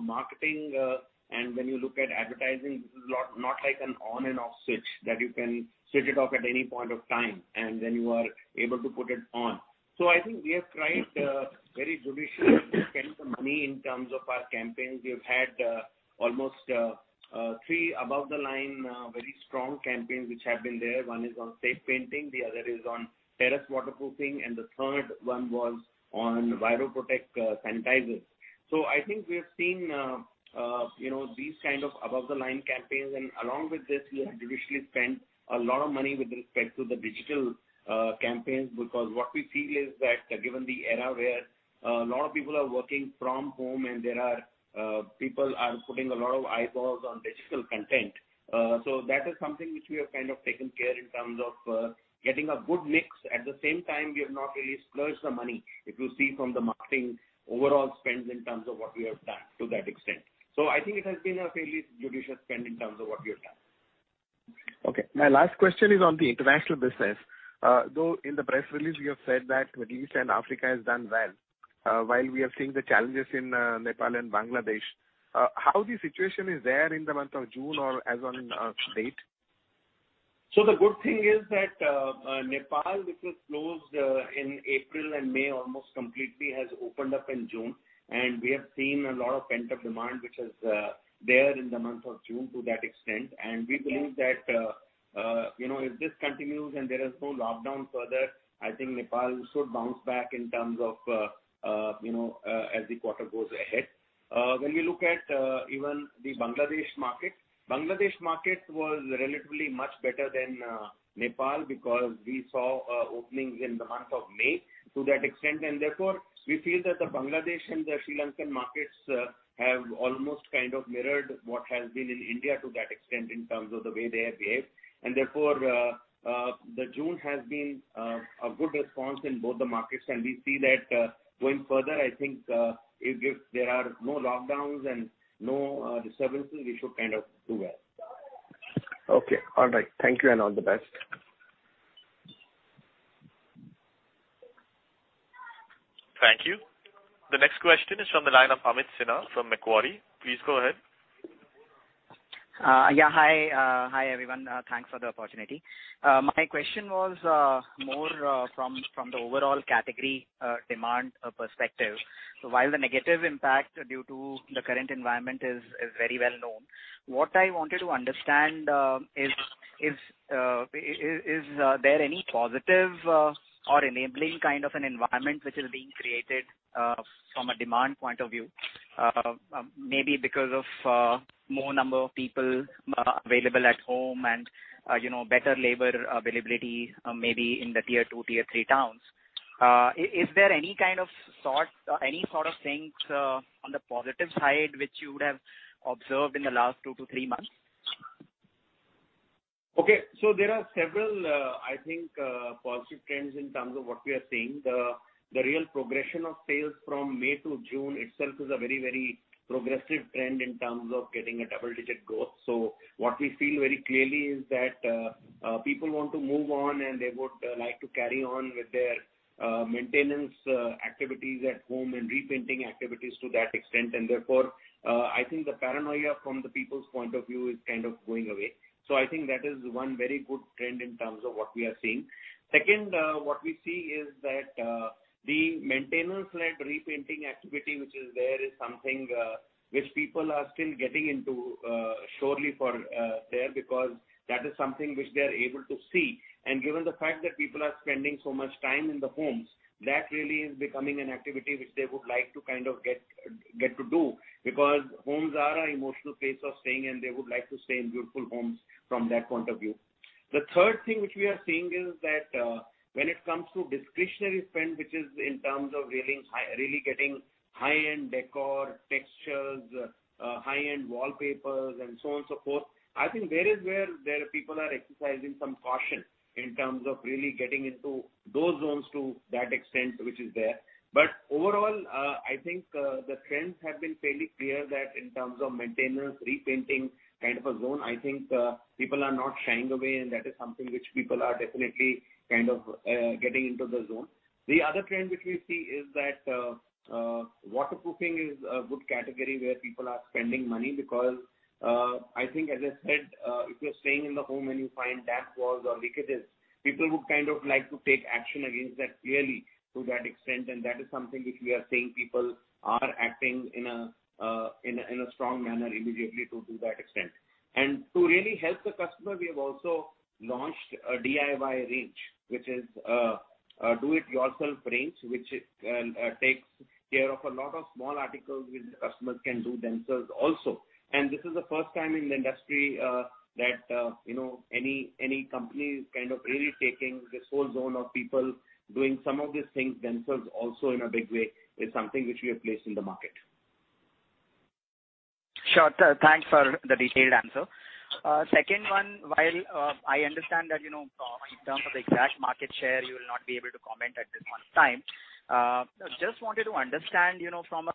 marketing and when you look at advertising, this is not like an on and off switch that you can switch it off at any point of time and then you are able to put it on. I think we have tried very judiciously to spend the money in terms of our campaigns. We have had almost three above the line, very strong campaigns which have been there. One is on safe painting, the other is on terrace waterproofing, and the third one was on Viroprotek sanitizers. I think we have seen these kind of above the line campaigns, and along with this, we have judiciously spent a lot of money with respect to the digital campaigns because what we feel is that given the era where a lot of people are working from home and there are people putting a lot of eyeballs on digital content. That is something which we have taken care in terms of getting a good mix. At the same time, we have not really splurged the money, if you see from the marketing overall spends in terms of what we have done to that extent. I think it has been a fairly judicious spend in terms of what we have done.
Okay. My last question is on the international business. Though in the press release, you have said that Middle East and Africa has done well, while we are seeing the challenges in Nepal and Bangladesh. How the situation is there in the month of June or as on date?
The good thing is that Nepal, which was closed in April and May almost completely has opened up in June, and we have seen a lot of pent-up demand, which was there in the month of June to that extent. We believe that if this continues and there is no lockdown further, I think Nepal should bounce back in terms of as the quarter goes ahead. When we look at even the Bangladesh market, Bangladesh market was relatively much better than Nepal because we saw openings in the month of May to that extent. Therefore, we feel that the Bangladesh and the Sri Lankan markets have almost mirrored what has been in India to that extent in terms of the way they have behaved. Therefore, the June has been a good response in both the markets, and we see that going further, I think, if there are no lockdowns and no disturbances, we should do well.
Okay. All right. Thank you and all the best.
Thank you. The next question is from the line of Amit Sinha from Macquarie. Please go ahead.
Yeah, hi everyone. Thanks for the opportunity. My question was more from the overall category demand perspective. While the negative impact due to the current environment is very well known, what I wanted to understand is there any positive or enabling kind of an environment which is being created from a demand point of view? Maybe because of more number of people available at home and better labor availability maybe in the Tier II, Tier III towns. Is there any sort of things on the positive side which you would have observed in the last two to three months?
Okay. There are several, I think, positive trends in terms of what we are seeing. The real progression of sales from May to June itself is a very progressive trend in terms of getting a double-digit growth. What we feel very clearly is that people want to move on, and they would like to carry on with their maintenance activities at home and repainting activities to that extent. Therefore, I think the paranoia from the people's point of view is kind of going away. I think that is one very good trend in terms of what we are seeing. Second, what we see is that the maintenance-led repainting activity, which is there is something which people are still getting into surely for there, because that is something which they are able to see. Given the fact that people are spending so much time in the homes, that really is becoming an activity which they would like to get to do, because homes are an emotional place of staying, and they would like to stay in beautiful homes from that point of view. The third thing which we are seeing is that, when it comes to discretionary spend, which is in terms of really getting high-end decor, textures, high-end wallpapers and so on, so forth, I think there is where people are exercising some caution in terms of really getting into those zones to that extent which is there. Overall, I think, the trends have been fairly clear that in terms of maintenance, repainting kind of a zone, I think people are not shying away, and that is something which people are definitely getting into the zone. The other trend which we see is that, waterproofing is a good category where people are spending money because, I think, as I said, if you're staying in the home and you find damp walls or leakages, people would like to take action against that clearly to that extent. That is something which we are seeing people are acting in a strong manner immediately to that extent. To really help the customer, we have also launched a DIY range, which is Do It Yourself range, which takes care of a lot of small articles which the customers can do themselves also. This is the first time in the industry that any company is really taking this whole zone of people doing some of these things themselves also in a big way is something which we have placed in the market.
Sure, sir. Thanks for the detailed answer. Second one, while I understand that in terms of exact market share, you will not be able to comment at this point of time. Just wanted to understand from a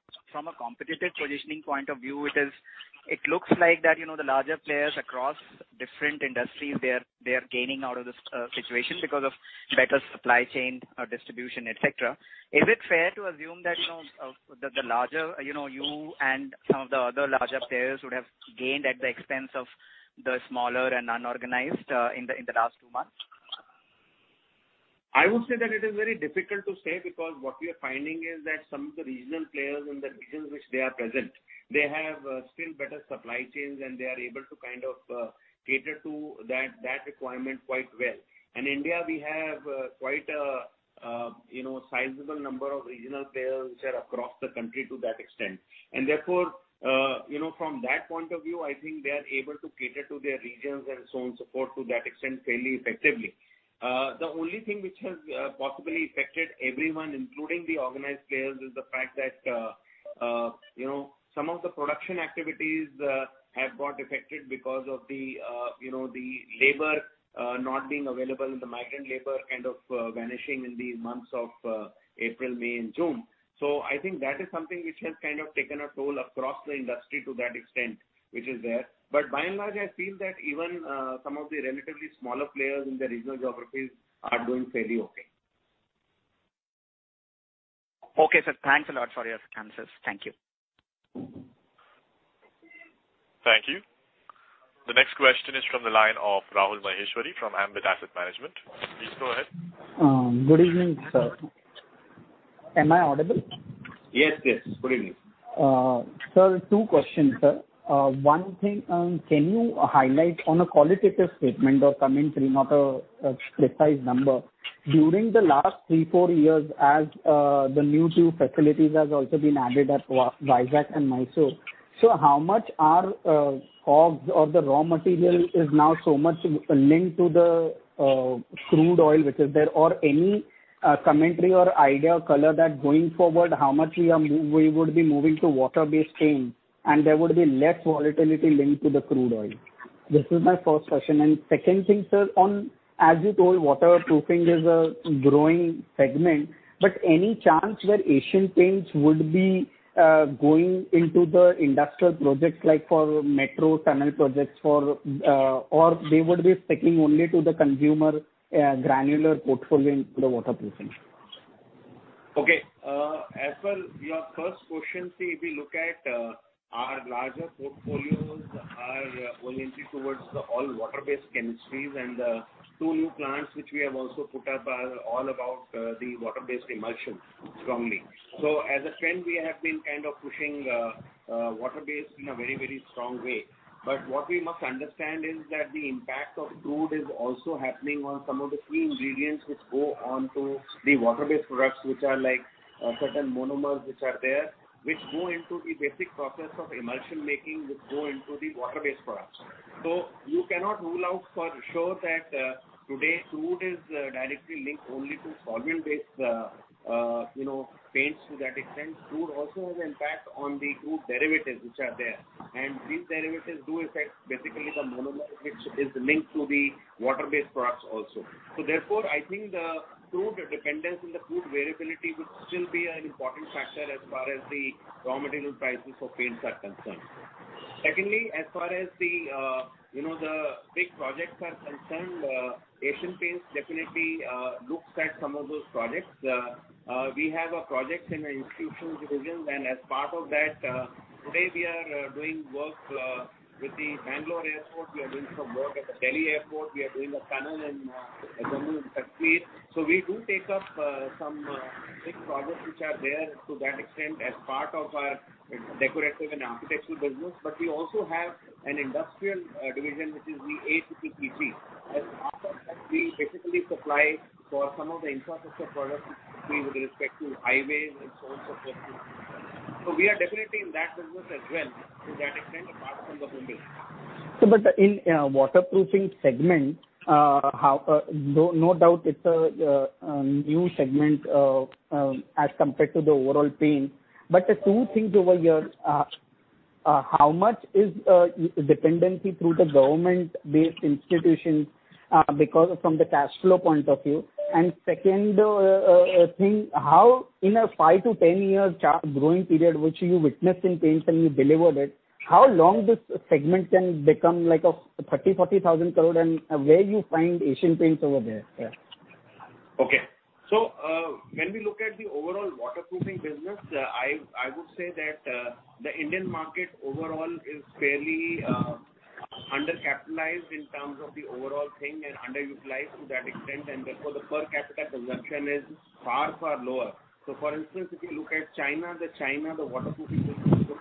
competitive positioning point of view, it looks like that the larger players across different industries, they are gaining out of this situation because of better supply chain or distribution, et cetera. Is it fair to assume that you and some of the other larger players would have gained at the expense of the smaller and unorganized in the last two months?
I would say that it is very difficult to say, because what we are finding is that some of the regional players in the regions which they are present, they have still better supply chains, and they are able to cater to that requirement quite well. In India, we have quite a sizable number of regional players which are across the country to that extent. Therefore, from that point of view, I think they are able to cater to their regions and so on, so forth to that extent fairly effectively. The only thing which has possibly affected everyone, including the organized players, is the fact that some of the production activities have got affected because of the labor not being available and the migrant labor vanishing in the months of April, May, and June. I think that is something which has taken a toll across the industry to that extent, which is there. By and large, I feel that even some of the relatively smaller players in the regional geographies are doing fairly okay.
Okay, sir. Thanks a lot for your answers. Thank you.
Thank you. The next question is from the line of Rahul Maheshwari from Ambit Asset Management. Please go ahead.
Good evening, sir. Am I audible?
Yes. Good evening.
Sir, two questions, sir. One thing, can you highlight on a qualitative statement or comment, not a precise number. During the last three, four years as the new two facilities has also been added at Vizag and Mysore. How much are COGS or the raw material is now so much linked to the crude oil which is there, or any commentary or idea or color that going forward, how much we would be moving to water-based paints and there would be less volatility linked to the crude oil? This is my first question. Second thing, sir, on, as you told waterproofing is a growing segment, but any chance where Asian Paints would be going into the industrial projects like for metro tunnel projects, or they would be sticking only to the consumer granular portfolio into the waterproofing?
Okay. As per your first question, see, if we look at our larger portfolios are oriented towards all water-based chemistries and the two new plants which we have also put up are all about the water-based emulsion strongly. As a trend, we have been pushing water-based in a very strong way. What we must understand is that the impact of crude is also happening on some of the key ingredients which go on to the water-based products, which are certain monomers which are there, which go into the basic process of emulsion making, which go into the water-based products. You cannot rule out for sure that today crude is directly linked only to solvent-based paints to that extent. Crude also has impact on the two derivatives which are there, and these derivatives do affect basically the monomer, which is linked to the water-based products also. Therefore, I think the crude dependence and the crude variability would still be an important factor as far as the raw material prices for paints are concerned. Secondly, as far as the big projects are concerned, Asian Paints definitely looks at some of those projects. We have a projects and institutions division, and as part of that, today we are doing work with the Bangalore Airport. We are doing some work at the Delhi Airport. We are doing a tunnel in Jammu and Kashmir. We do take up some big projects which are there, to that extent, as part of our decorative and architectural business. We also have an industrial division, which is the AP PPG, and part of that, we basically supply for some of the infrastructure products with respect to highways and so on, so forth. We are definitely in that business as well, to that extent, apart from the building.
Sir, in waterproofing segment, no doubt it's a new segment as compared to the overall paint. Two things over here, how much is dependency through the government-based institutions from the cash flow point of view? Second thing, how in a five to 10 year growing period, which you witnessed in paints and you delivered it, how long this segment can become like 30,000 crore, 40,000 crore and where you find Asian Paints over there?
Okay. When we look at the overall waterproofing business, I would say that the Indian market overall is fairly undercapitalized in terms of the overall thing and underutilized to that extent, and therefore the per capita consumption is far, far lower. For instance, if you look at China, the waterproofing is about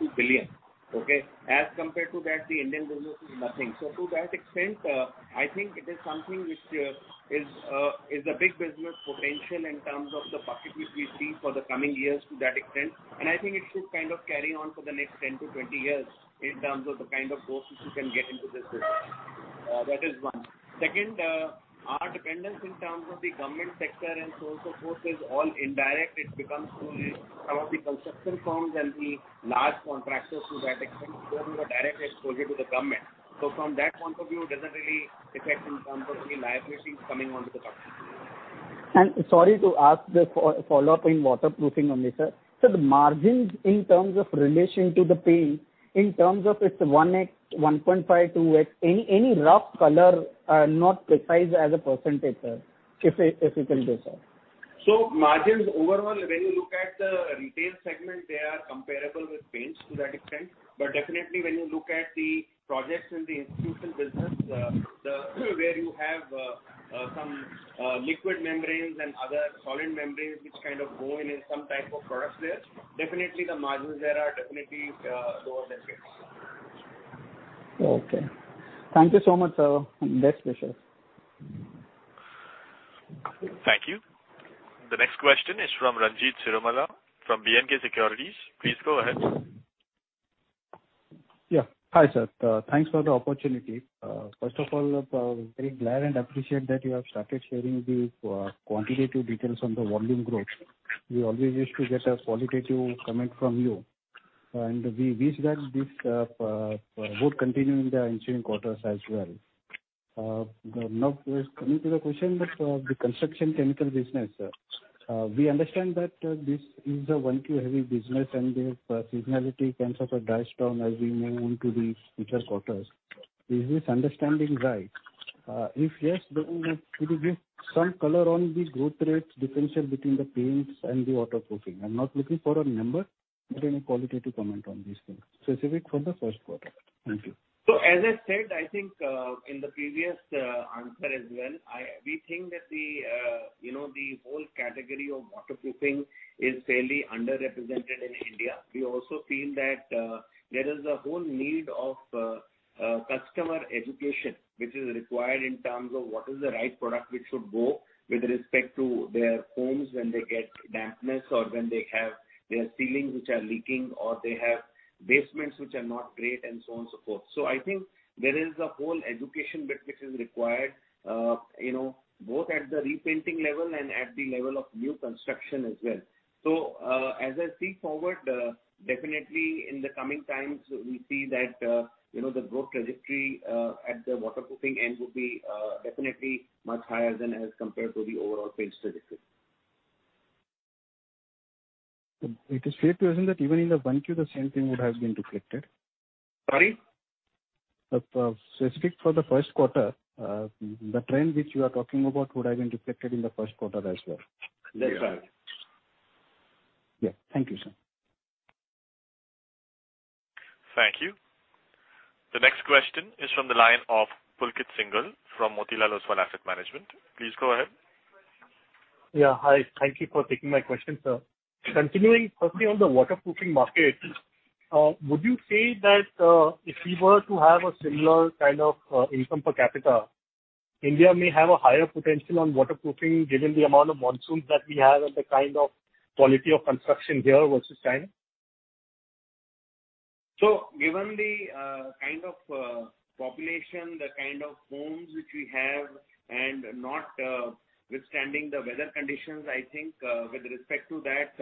22 billion. Okay. As compared to that, the Indian business is nothing. To that extent, I think it is something which is a big business potential in terms of the profitability we see for the coming years to that extent. I think it should kind of carry on for the next 10-20 years in terms of the kind of growth which you can get into this business. That is one. Second, our dependence in terms of the government sector and so on, so forth, is all indirect. It comes through some of the construction firms and the large contractors to that extent. We have a direct exposure to the government. From that point of view, it doesn't really affect in terms of the liability coming onto the company.
Sorry to ask the follow-up in waterproofing only, sir. Sir, the margins in terms of relation to the paint, in terms of its 1x, 1.52x, any rough color, not precise as a percentage, sir. If you can do so.
Margins overall, when you look at the retail segment, they are comparable with paints to that extent. Definitely when you look at the projects in the institutional business, where you have some liquid membranes and other solid membranes which kind of go in some type of products there, definitely the margins there are definitely lower than paints.
Okay. Thank you so much, sir. Best wishes.
Thank you. The next question is from Ranjit Siromala from BNK Securities. Please go ahead.
Yeah. Hi, sir. Thanks for the opportunity. First of all, very glad and appreciate that you have started sharing the quantitative details on the volume growth. We always used to get a qualitative comment from you, and we wish that this would continue in the ensuing quarters as well. Coming to the question, the construction chemical business, we understand that this is a Q1 heavy business, and the seasonality kind of dies down as we move into the future quarters. Is this understanding right? If yes, could you give some color on the growth rates differential between the paints and the waterproofing? I'm not looking for a number, but any qualitative comment on these things, specific for the first quarter. Thank you.
As I said, I think in the previous answer as well, we think that the whole category of waterproofing is fairly underrepresented in India. We also feel that there is a whole need of customer education, which is required in terms of what is the right product which should go with respect to their homes when they get dampness or when they have their ceilings which are leaking, or they have basements which are not great, and so on and so forth. I think there is a whole education bit which is required, both at the repainting level and at the level of new construction as well. As I see forward, definitely in the coming times, we see that the growth trajectory at the waterproofing end would be definitely much higher than as compared to the overall paint trajectory.
It is fair to assume that even in the Q1, the same thing would have been reflected?
Sorry?
Specific for the first quarter, the trend which you are talking about would have been reflected in the first quarter as well.
That's right.
Yeah. Thank you, sir.
Thank you. The next question is from the line of Pulkit Singhal from Motilal Oswal Asset Management. Please go ahead.
Yeah. Hi. Thank you for taking my question, sir. Continuing firstly on the waterproofing market, would you say that if we were to have a similar kind of income per capita, India may have a higher potential on waterproofing given the amount of monsoons that we have and the kind of quality of construction here versus China?
Given the kind of population, the kind of homes which we have, and notwithstanding the weather conditions, I think with respect to that,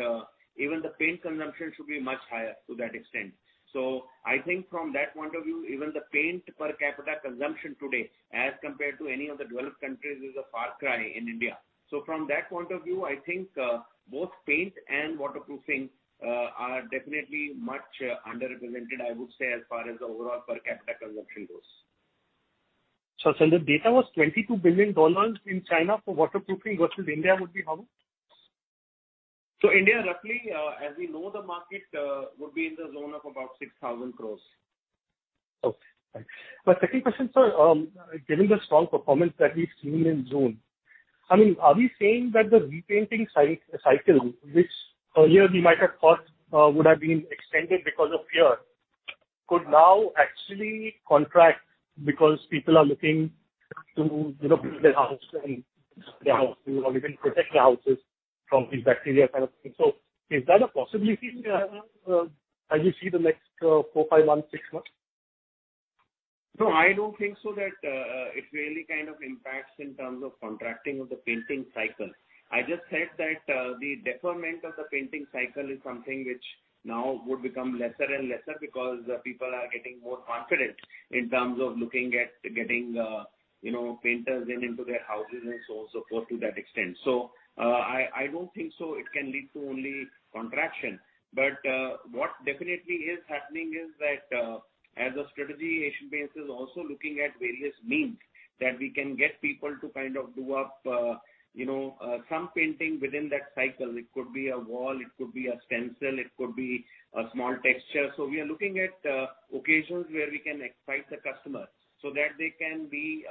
even the paint consumption should be much higher to that extent. I think from that point of view, even the paint per capita consumption today, as compared to any of the developed countries, is a far cry in India. From that point of view, I think both paint and waterproofing are definitely much underrepresented, I would say, as far as the overall per capita consumption goes.
Sure, sir. The data was INR 22 billion in China for waterproofing. Versus India would be how much?
India, roughly, as we know the market would be in the zone of about 6,000 crores.
Okay, thanks. My second question, sir, given the strong performance that we've seen in June, are we saying that the repainting cycle, which earlier we might have thought would have been extended because of fear, could now actually contract because people are looking to build their house and their house or even protect their houses from these bacteria kind of things? Is that a possibility, as you see the next four, five months, six months?
No, I don't think so that it really impacts in terms of contracting of the painting cycle. I just said that the deferment of the painting cycle is something which now would become lesser and lesser because people are getting more confident in terms of looking at getting painters into their houses and so forth to that extent. I don't think so. It can lead to only contraction. What definitely is happening is that as a strategy, Asian Paints is also looking at various means that we can get people to do up some painting within that cycle. It could be a wall, it could be a stencil, it could be a small texture. We are looking at occasions where we can excite the customer so that they can be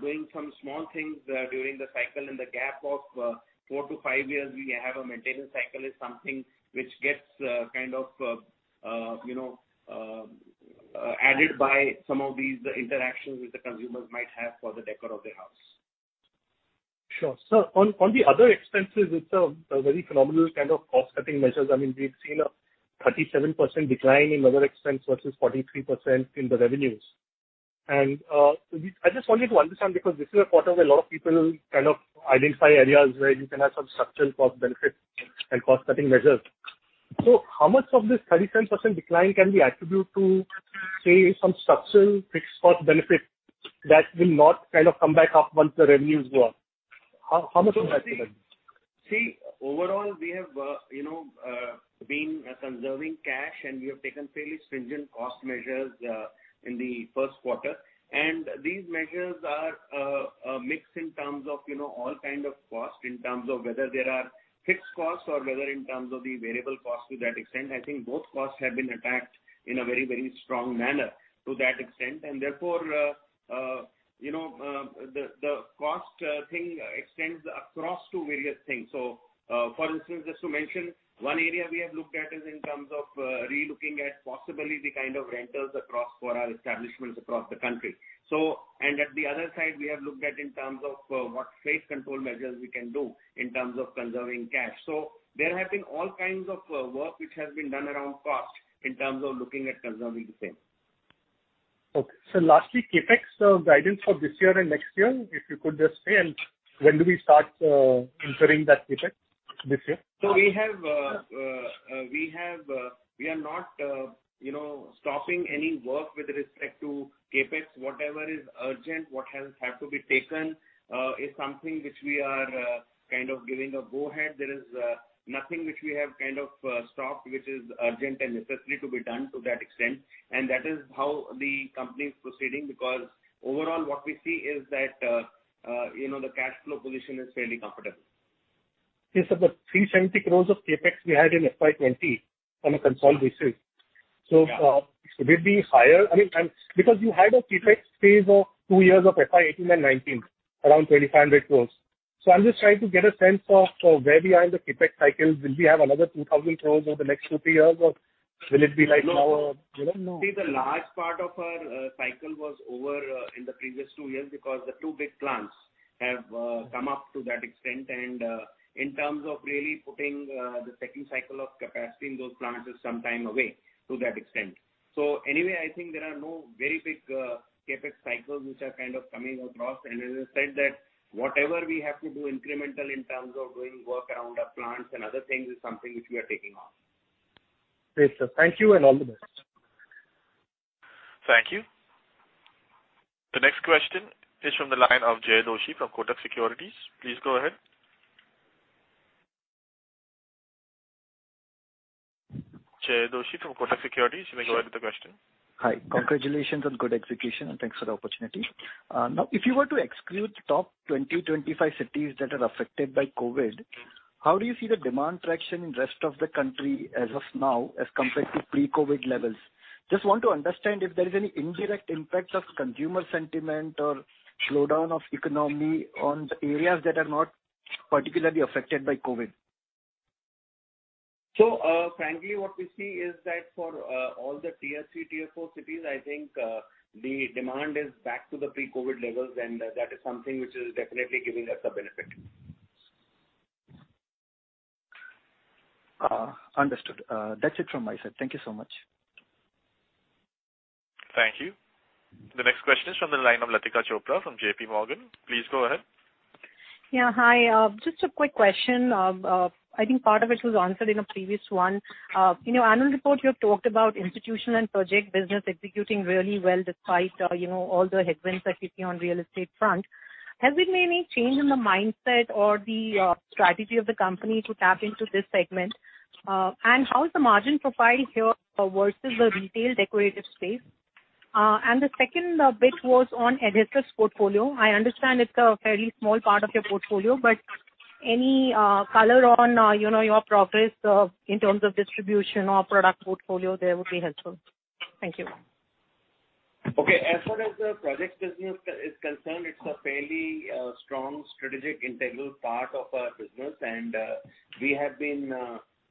doing some small things during the cycle. In the gap of four to five years, we have a maintenance cycle is something which gets added by some of these interactions which the consumers might have for the decor of their house.
Sure. Sir, on the other expenses, it's a very phenomenal kind of cost-cutting measures. We've seen a 37% decline in other expense versus 43% in the revenues. I just wanted to understand because this is a quarter where a lot of people identify areas where you can have some structural cost benefits and cost-cutting measures. How much of this 37% decline can we attribute to, say, some structural fixed cost benefit that will not come back up once the revenues go up? How much would that be like?
Overall, we have been conserving cash. We have taken fairly stringent cost measures in the first quarter. These measures are a mix in terms of all kind of cost, in terms of whether there are fixed costs or whether in terms of the variable cost to that extent. I think both costs have been attacked in a very strong manner to that extent. Therefore, the cost thing extends across to various things. For instance, just to mention, one area we have looked at is in terms of relooking at possibly the kind of rentals across for our establishments across the country. At the other side, we have looked at in terms of what phase control measures we can do in terms of conserving cash. There have been all kinds of work which has been done around cost in terms of looking at conserving the same.
Okay. Sir, lastly, CapEx guidance for this year and next year, if you could just say, when do we start incurring that CapEx this year?
We are not stopping any work with respect to CapEx. Whatever is urgent, what has to be taken is something which we are giving a go-ahead. There is nothing which we have stopped, which is urgent and necessary to be done to that extent. That is how the company is proceeding because overall what we see is that the cash flow position is fairly comfortable.
Yes, sir. 370 crores of CapEx we had in FY 2020 on a consolidated basis. Yeah. Will it be higher? Because you had a CapEx phase of two years of FY 2018 and FY 2019, around 2,500 crore. I'm just trying to get a sense of where we are in the CapEx cycle. Will we have another 2,000 crore over the next two, three years, or will it be like lower? I don't know.
See, the large part of our cycle was over in the previous two years because the two big plants have come up to that extent, and in terms of really putting the second cycle of capacity in those plants is sometime away, to that extent. Anyway, I think there are no very big CapEx cycles which are coming across. As I said that whatever we have to do incremental in terms of doing work around our plants and other things is something which we are taking on.
Great, sir. Thank you and all the best.
Thank you. The next question is from the line of Jaykumar Doshi from Kotak Securities. Please go ahead. Jaykumar Doshi from Kotak Securities, you may go ahead with the question.
Hi. Congratulations on good execution. Thanks for the opportunity. Now, if you were to exclude the top 20, 25 cities that are affected by COVID-19, how do you see the demand traction in rest of the country as of now as compared to pre-COVID-19 levels? Just want to understand if there is any indirect impacts of consumer sentiment or slowdown of economy on the areas that are not particularly affected by COVID-19.
Frankly, what we see is that for all the Tier III, Tier IV cities, I think the demand is back to the pre-COVID-19 levels, and that is something which is definitely giving us a benefit.
Understood. That's it from my side. Thank you so much.
Thank you. The next question is from the line of Latika Chopra from JPMorgan. Please go ahead.
Yeah, hi. Just a quick question. I think part of it was answered in a previous one. In your annual report, you have talked about institution and project business executing really well despite all the headwinds that hit you on real estate front. Has been there any change in the mindset or the strategy of the company to tap into this segment? How is the margin profile here versus the retail decorative space? The second bit was on adhesives portfolio. I understand it's a fairly small part of your portfolio, but any color on your progress in terms of distribution or product portfolio there would be helpful. Thank you.
As far as the projects business is concerned, it's a fairly strong strategic integral part of our business. We have been,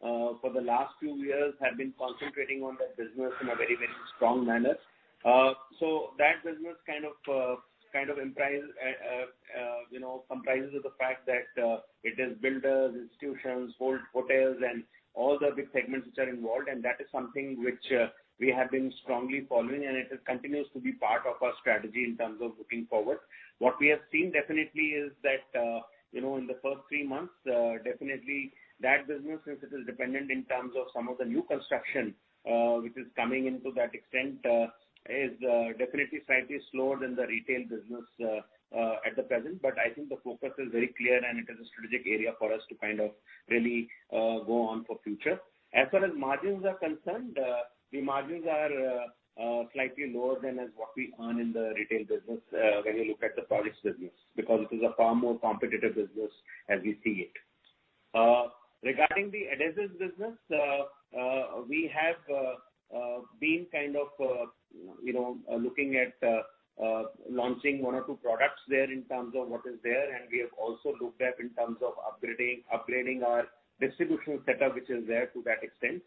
for the last few years, have been concentrating on that business in a very strong manner. That business kind of comprises of the fact that it is builders, institutions, hotels, and all the big segments which are involved and that is something which we have been strongly following, and it continues to be part of our strategy in terms of looking forward. What we have seen definitely is that, in the first three months, definitely that business, since it is dependent in terms of some of the new construction, which is coming into that extent, is definitely slightly slower than the retail business at the present. I think the focus is very clear, and it is a strategic area for us to kind of really go on for future. As far as margins are concerned, the margins are slightly lower than as what we earn in the retail business when you look at the projects business, because it is a far more competitive business as we see it. Regarding the adhesives business, we have been kind of looking at launching one or two products there in terms of what is there, and we have also looked at in terms of upgrading our distribution setup which is there to that extent.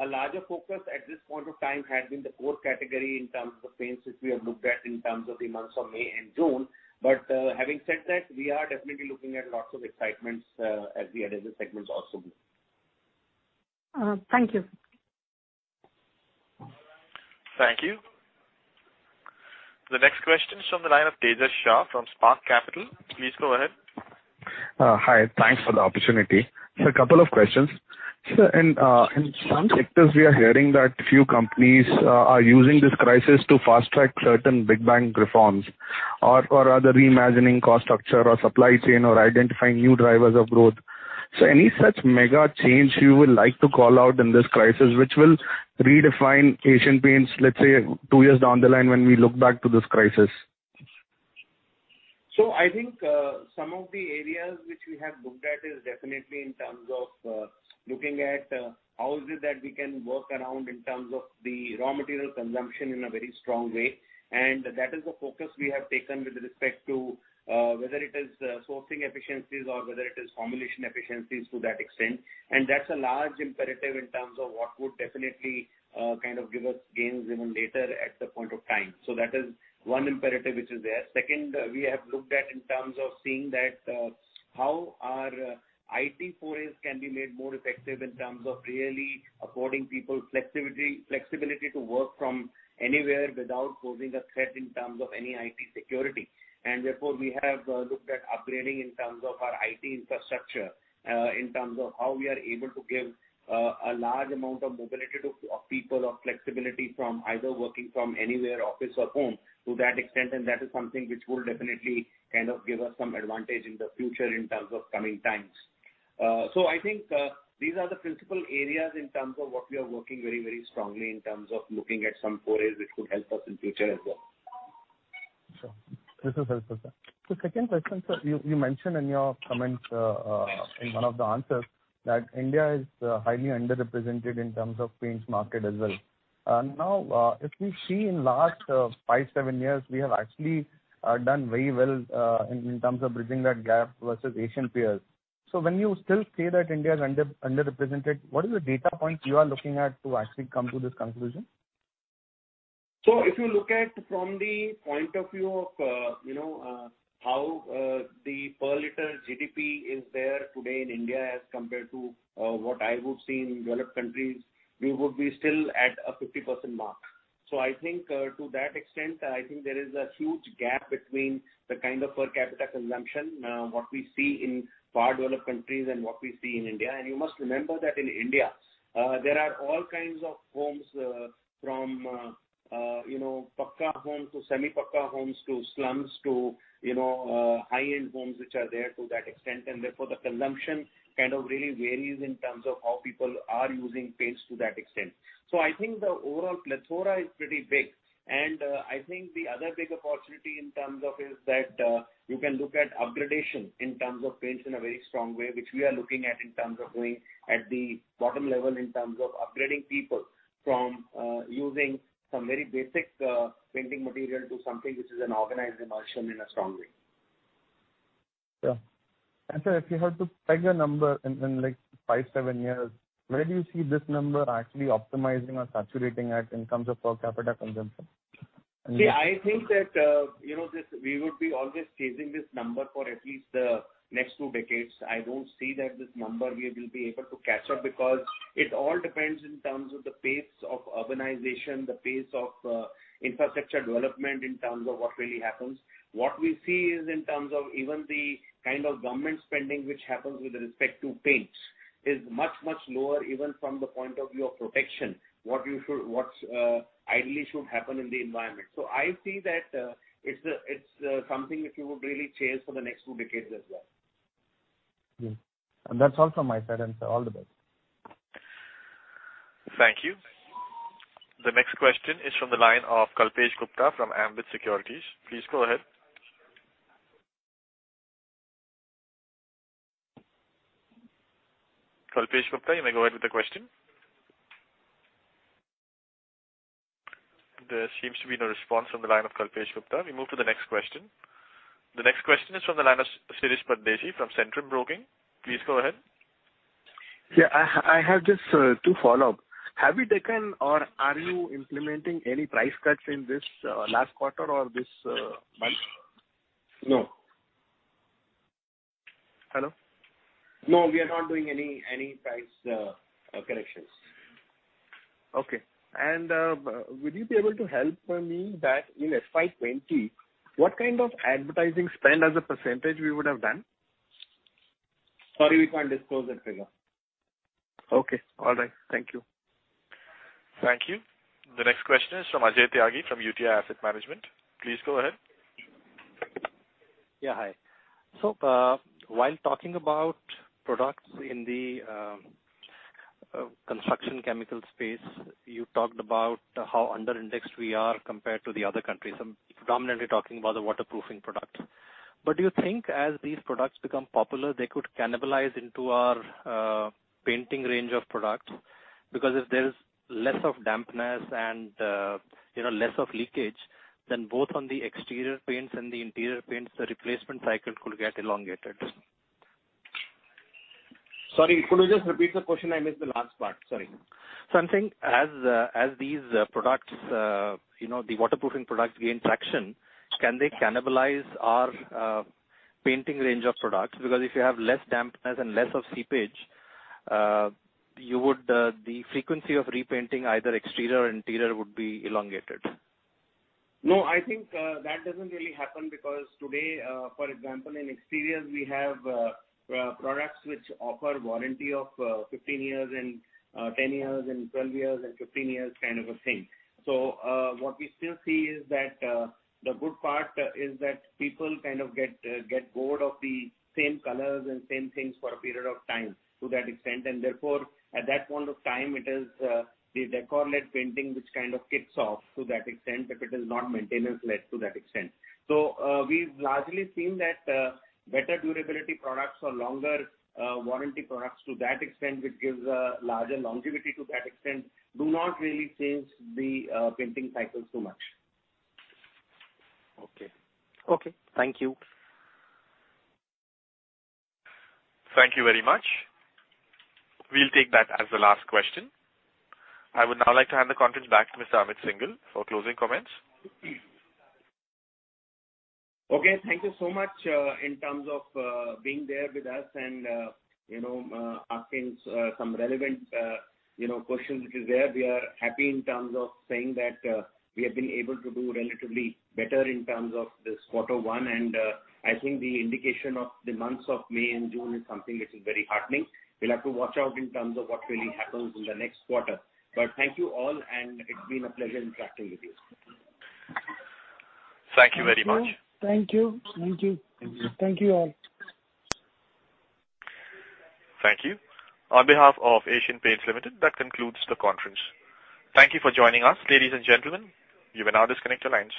A larger focus at this point of time has been the core category in terms of the paints, which we have looked at in terms of the months of May and June. Having said that, we are definitely looking at lots of excitements as the adhesive segments also move.
Thank you.
Thank you. The next question is from the line of Tejas Shah from Spark Capital. Please go ahead.
Hi, thanks for the opportunity. Sir, couple of questions. Sir, in some sectors, we are hearing that few companies are using this crisis to fast-track certain big-bang reforms or are either reimagining cost structure or supply chain or identifying new drivers of growth. Any such mega change you would like to call out in this crisis, which will redefine Asian Paints, let's say, two years down the line when we look back to this crisis?
I think some of the areas which we have looked at is definitely in terms of looking at how is it that we can work around in terms of the raw material consumption in a very strong way. That is the focus we have taken with respect to whether it is sourcing efficiencies or whether it is formulation efficiencies to that extent. That's a large imperative in terms of what would definitely kind of give us gains even later at the point of time. That is one imperative, which is there. Second, we have looked at in terms of seeing that how our IT forays can be made more effective in terms of really affording people flexibility to work from anywhere without posing a threat in terms of any IT security. Therefore, we have looked at upgrading in terms of our IT infrastructure, in terms of how we are able to give a large amount of mobility to people or flexibility from either working from anywhere, office or home to that extent. That is something which will definitely kind of give us some advantage in the future in terms of coming times. I think these are the principal areas in terms of what we are working very strongly in terms of looking at some forays which could help us in future as well.
Sure. This is helpful, sir. Second question, sir. You mentioned in your comments, in one of the answers, that India is highly underrepresented in terms of paints market as well. If we see in last five, seven years, we have actually done very well in terms of bridging that gap versus Asian peers. When you still say that India is underrepresented, what is the data point you are looking at to actually come to this conclusion?
If you look at from the point of view of how the per liter GDP is there today in India as compared to what I would see in developed countries, we would be still at a 50% mark. I think to that extent, I think there is a huge gap between the kind of per capita consumption, what we see in far developed countries and what we see in India. You must remember that in India, there are all kinds of homes, from pucca homes to semi-pucca homes to slums to high-end homes, which are there to that extent. Therefore, the consumption kind of really varies in terms of how people are using paints to that extent. I think the overall plethora is pretty big. I think the other big opportunity in terms of is that you can look at upgradation in terms of paints in a very strong way, which we are looking at in terms of going at the bottom level in terms of upgrading people from using some very basic painting material to something which is an organized emulsion in a strong way.
Sure. Sir, if you had to peg a number in like five, seven years, where do you see this number actually optimizing or saturating at in terms of per capita consumption?
See, I think that we would be always chasing this number for at least the next two decades. I don't see that this number we will be able to catch up because it all depends in terms of the pace of urbanization, the pace of infrastructure development in terms of what really happens. What we see is in terms of even the kind of government spending which happens with respect to paints is much, much lower even from the point of view of protection, what ideally should happen in the environment. I see that it's something which we would really chase for the next two decades as well.
Yes. That's all from my side. Sir, all the best.
Thank you. The next question is from the line of Kalpesh Gupta from Ambit Securities. Please go ahead. Kalpesh Gupta, you may go ahead with the question. There seems to be no response from the line of Kalpesh Gupta. We move to the next question. The next question is from the line of Shirish Pardeshi from Centrum Broking. Please go ahead.
Yeah, I have just two follow-up. Have you taken or are you implementing any price cuts in this last quarter or this month?
No.
Hello?
No, we are not doing any price corrections.
Okay. Would you be able to help me that in FY 2020, what kind of advertising spend as a percentage we would have done?
Sorry, we can't disclose that figure.
Okay. All right. Thank you.
Thank you. The next question is from Ajay Tyagi of UTI Asset Management. Please go ahead.
Yeah, hi. While talking about products in the construction chemical space, you talked about how under indexed we are compared to the other countries, predominantly talking about the waterproofing products. Do you think as these products become popular, they could cannibalize into our painting range of products? If there is less of dampness and less of leakage, then both on the exterior paints and the interior paints, the replacement cycle could get elongated.
Sorry, could you just repeat the question? I missed the last part. Sorry.
I'm saying, as the waterproofing products gain traction, can they cannibalize our painting range of products? If you have less dampness and less of seepage, the frequency of repainting either exterior or interior would be elongated.
No, I think, that doesn't really happen because today, for example, in exteriors, we have products which offer warranty of 15 years and 10 years and 12 years and 15 years kind of a thing. What we still see is that, the good part is that people kind of get bored of the same colors and same things for a period of time to that extent. Therefore, at that point of time, it is the decorate painting, which kind of kicks off to that extent, if it is not maintenance-led to that extent. We've largely seen that, better durability products or longer warranty products to that extent, which gives a larger longevity to that extent, do not really change the painting cycles too much.
Okay. Thank you.
Thank you very much. We'll take that as the last question. I would now like to hand the conference back to Mr. Amit Syngle for closing comments.
Okay. Thank you so much in terms of being there with us and asking some relevant questions which is there. We are happy in terms of saying that we have been able to do relatively better in terms of this Q1. I think the indication of the months of May and June is something which is very heartening. We'll have to watch out in terms of what really happens in the next quarter. Thank you all, and it's been a pleasure interacting with you.
Thank you very much.
Thank you.
Thank you.
Thank you all.
Thank you. On behalf of Asian Paints Limited, that concludes the conference. Thank you for joining us, ladies and gentlemen. You may now disconnect your lines.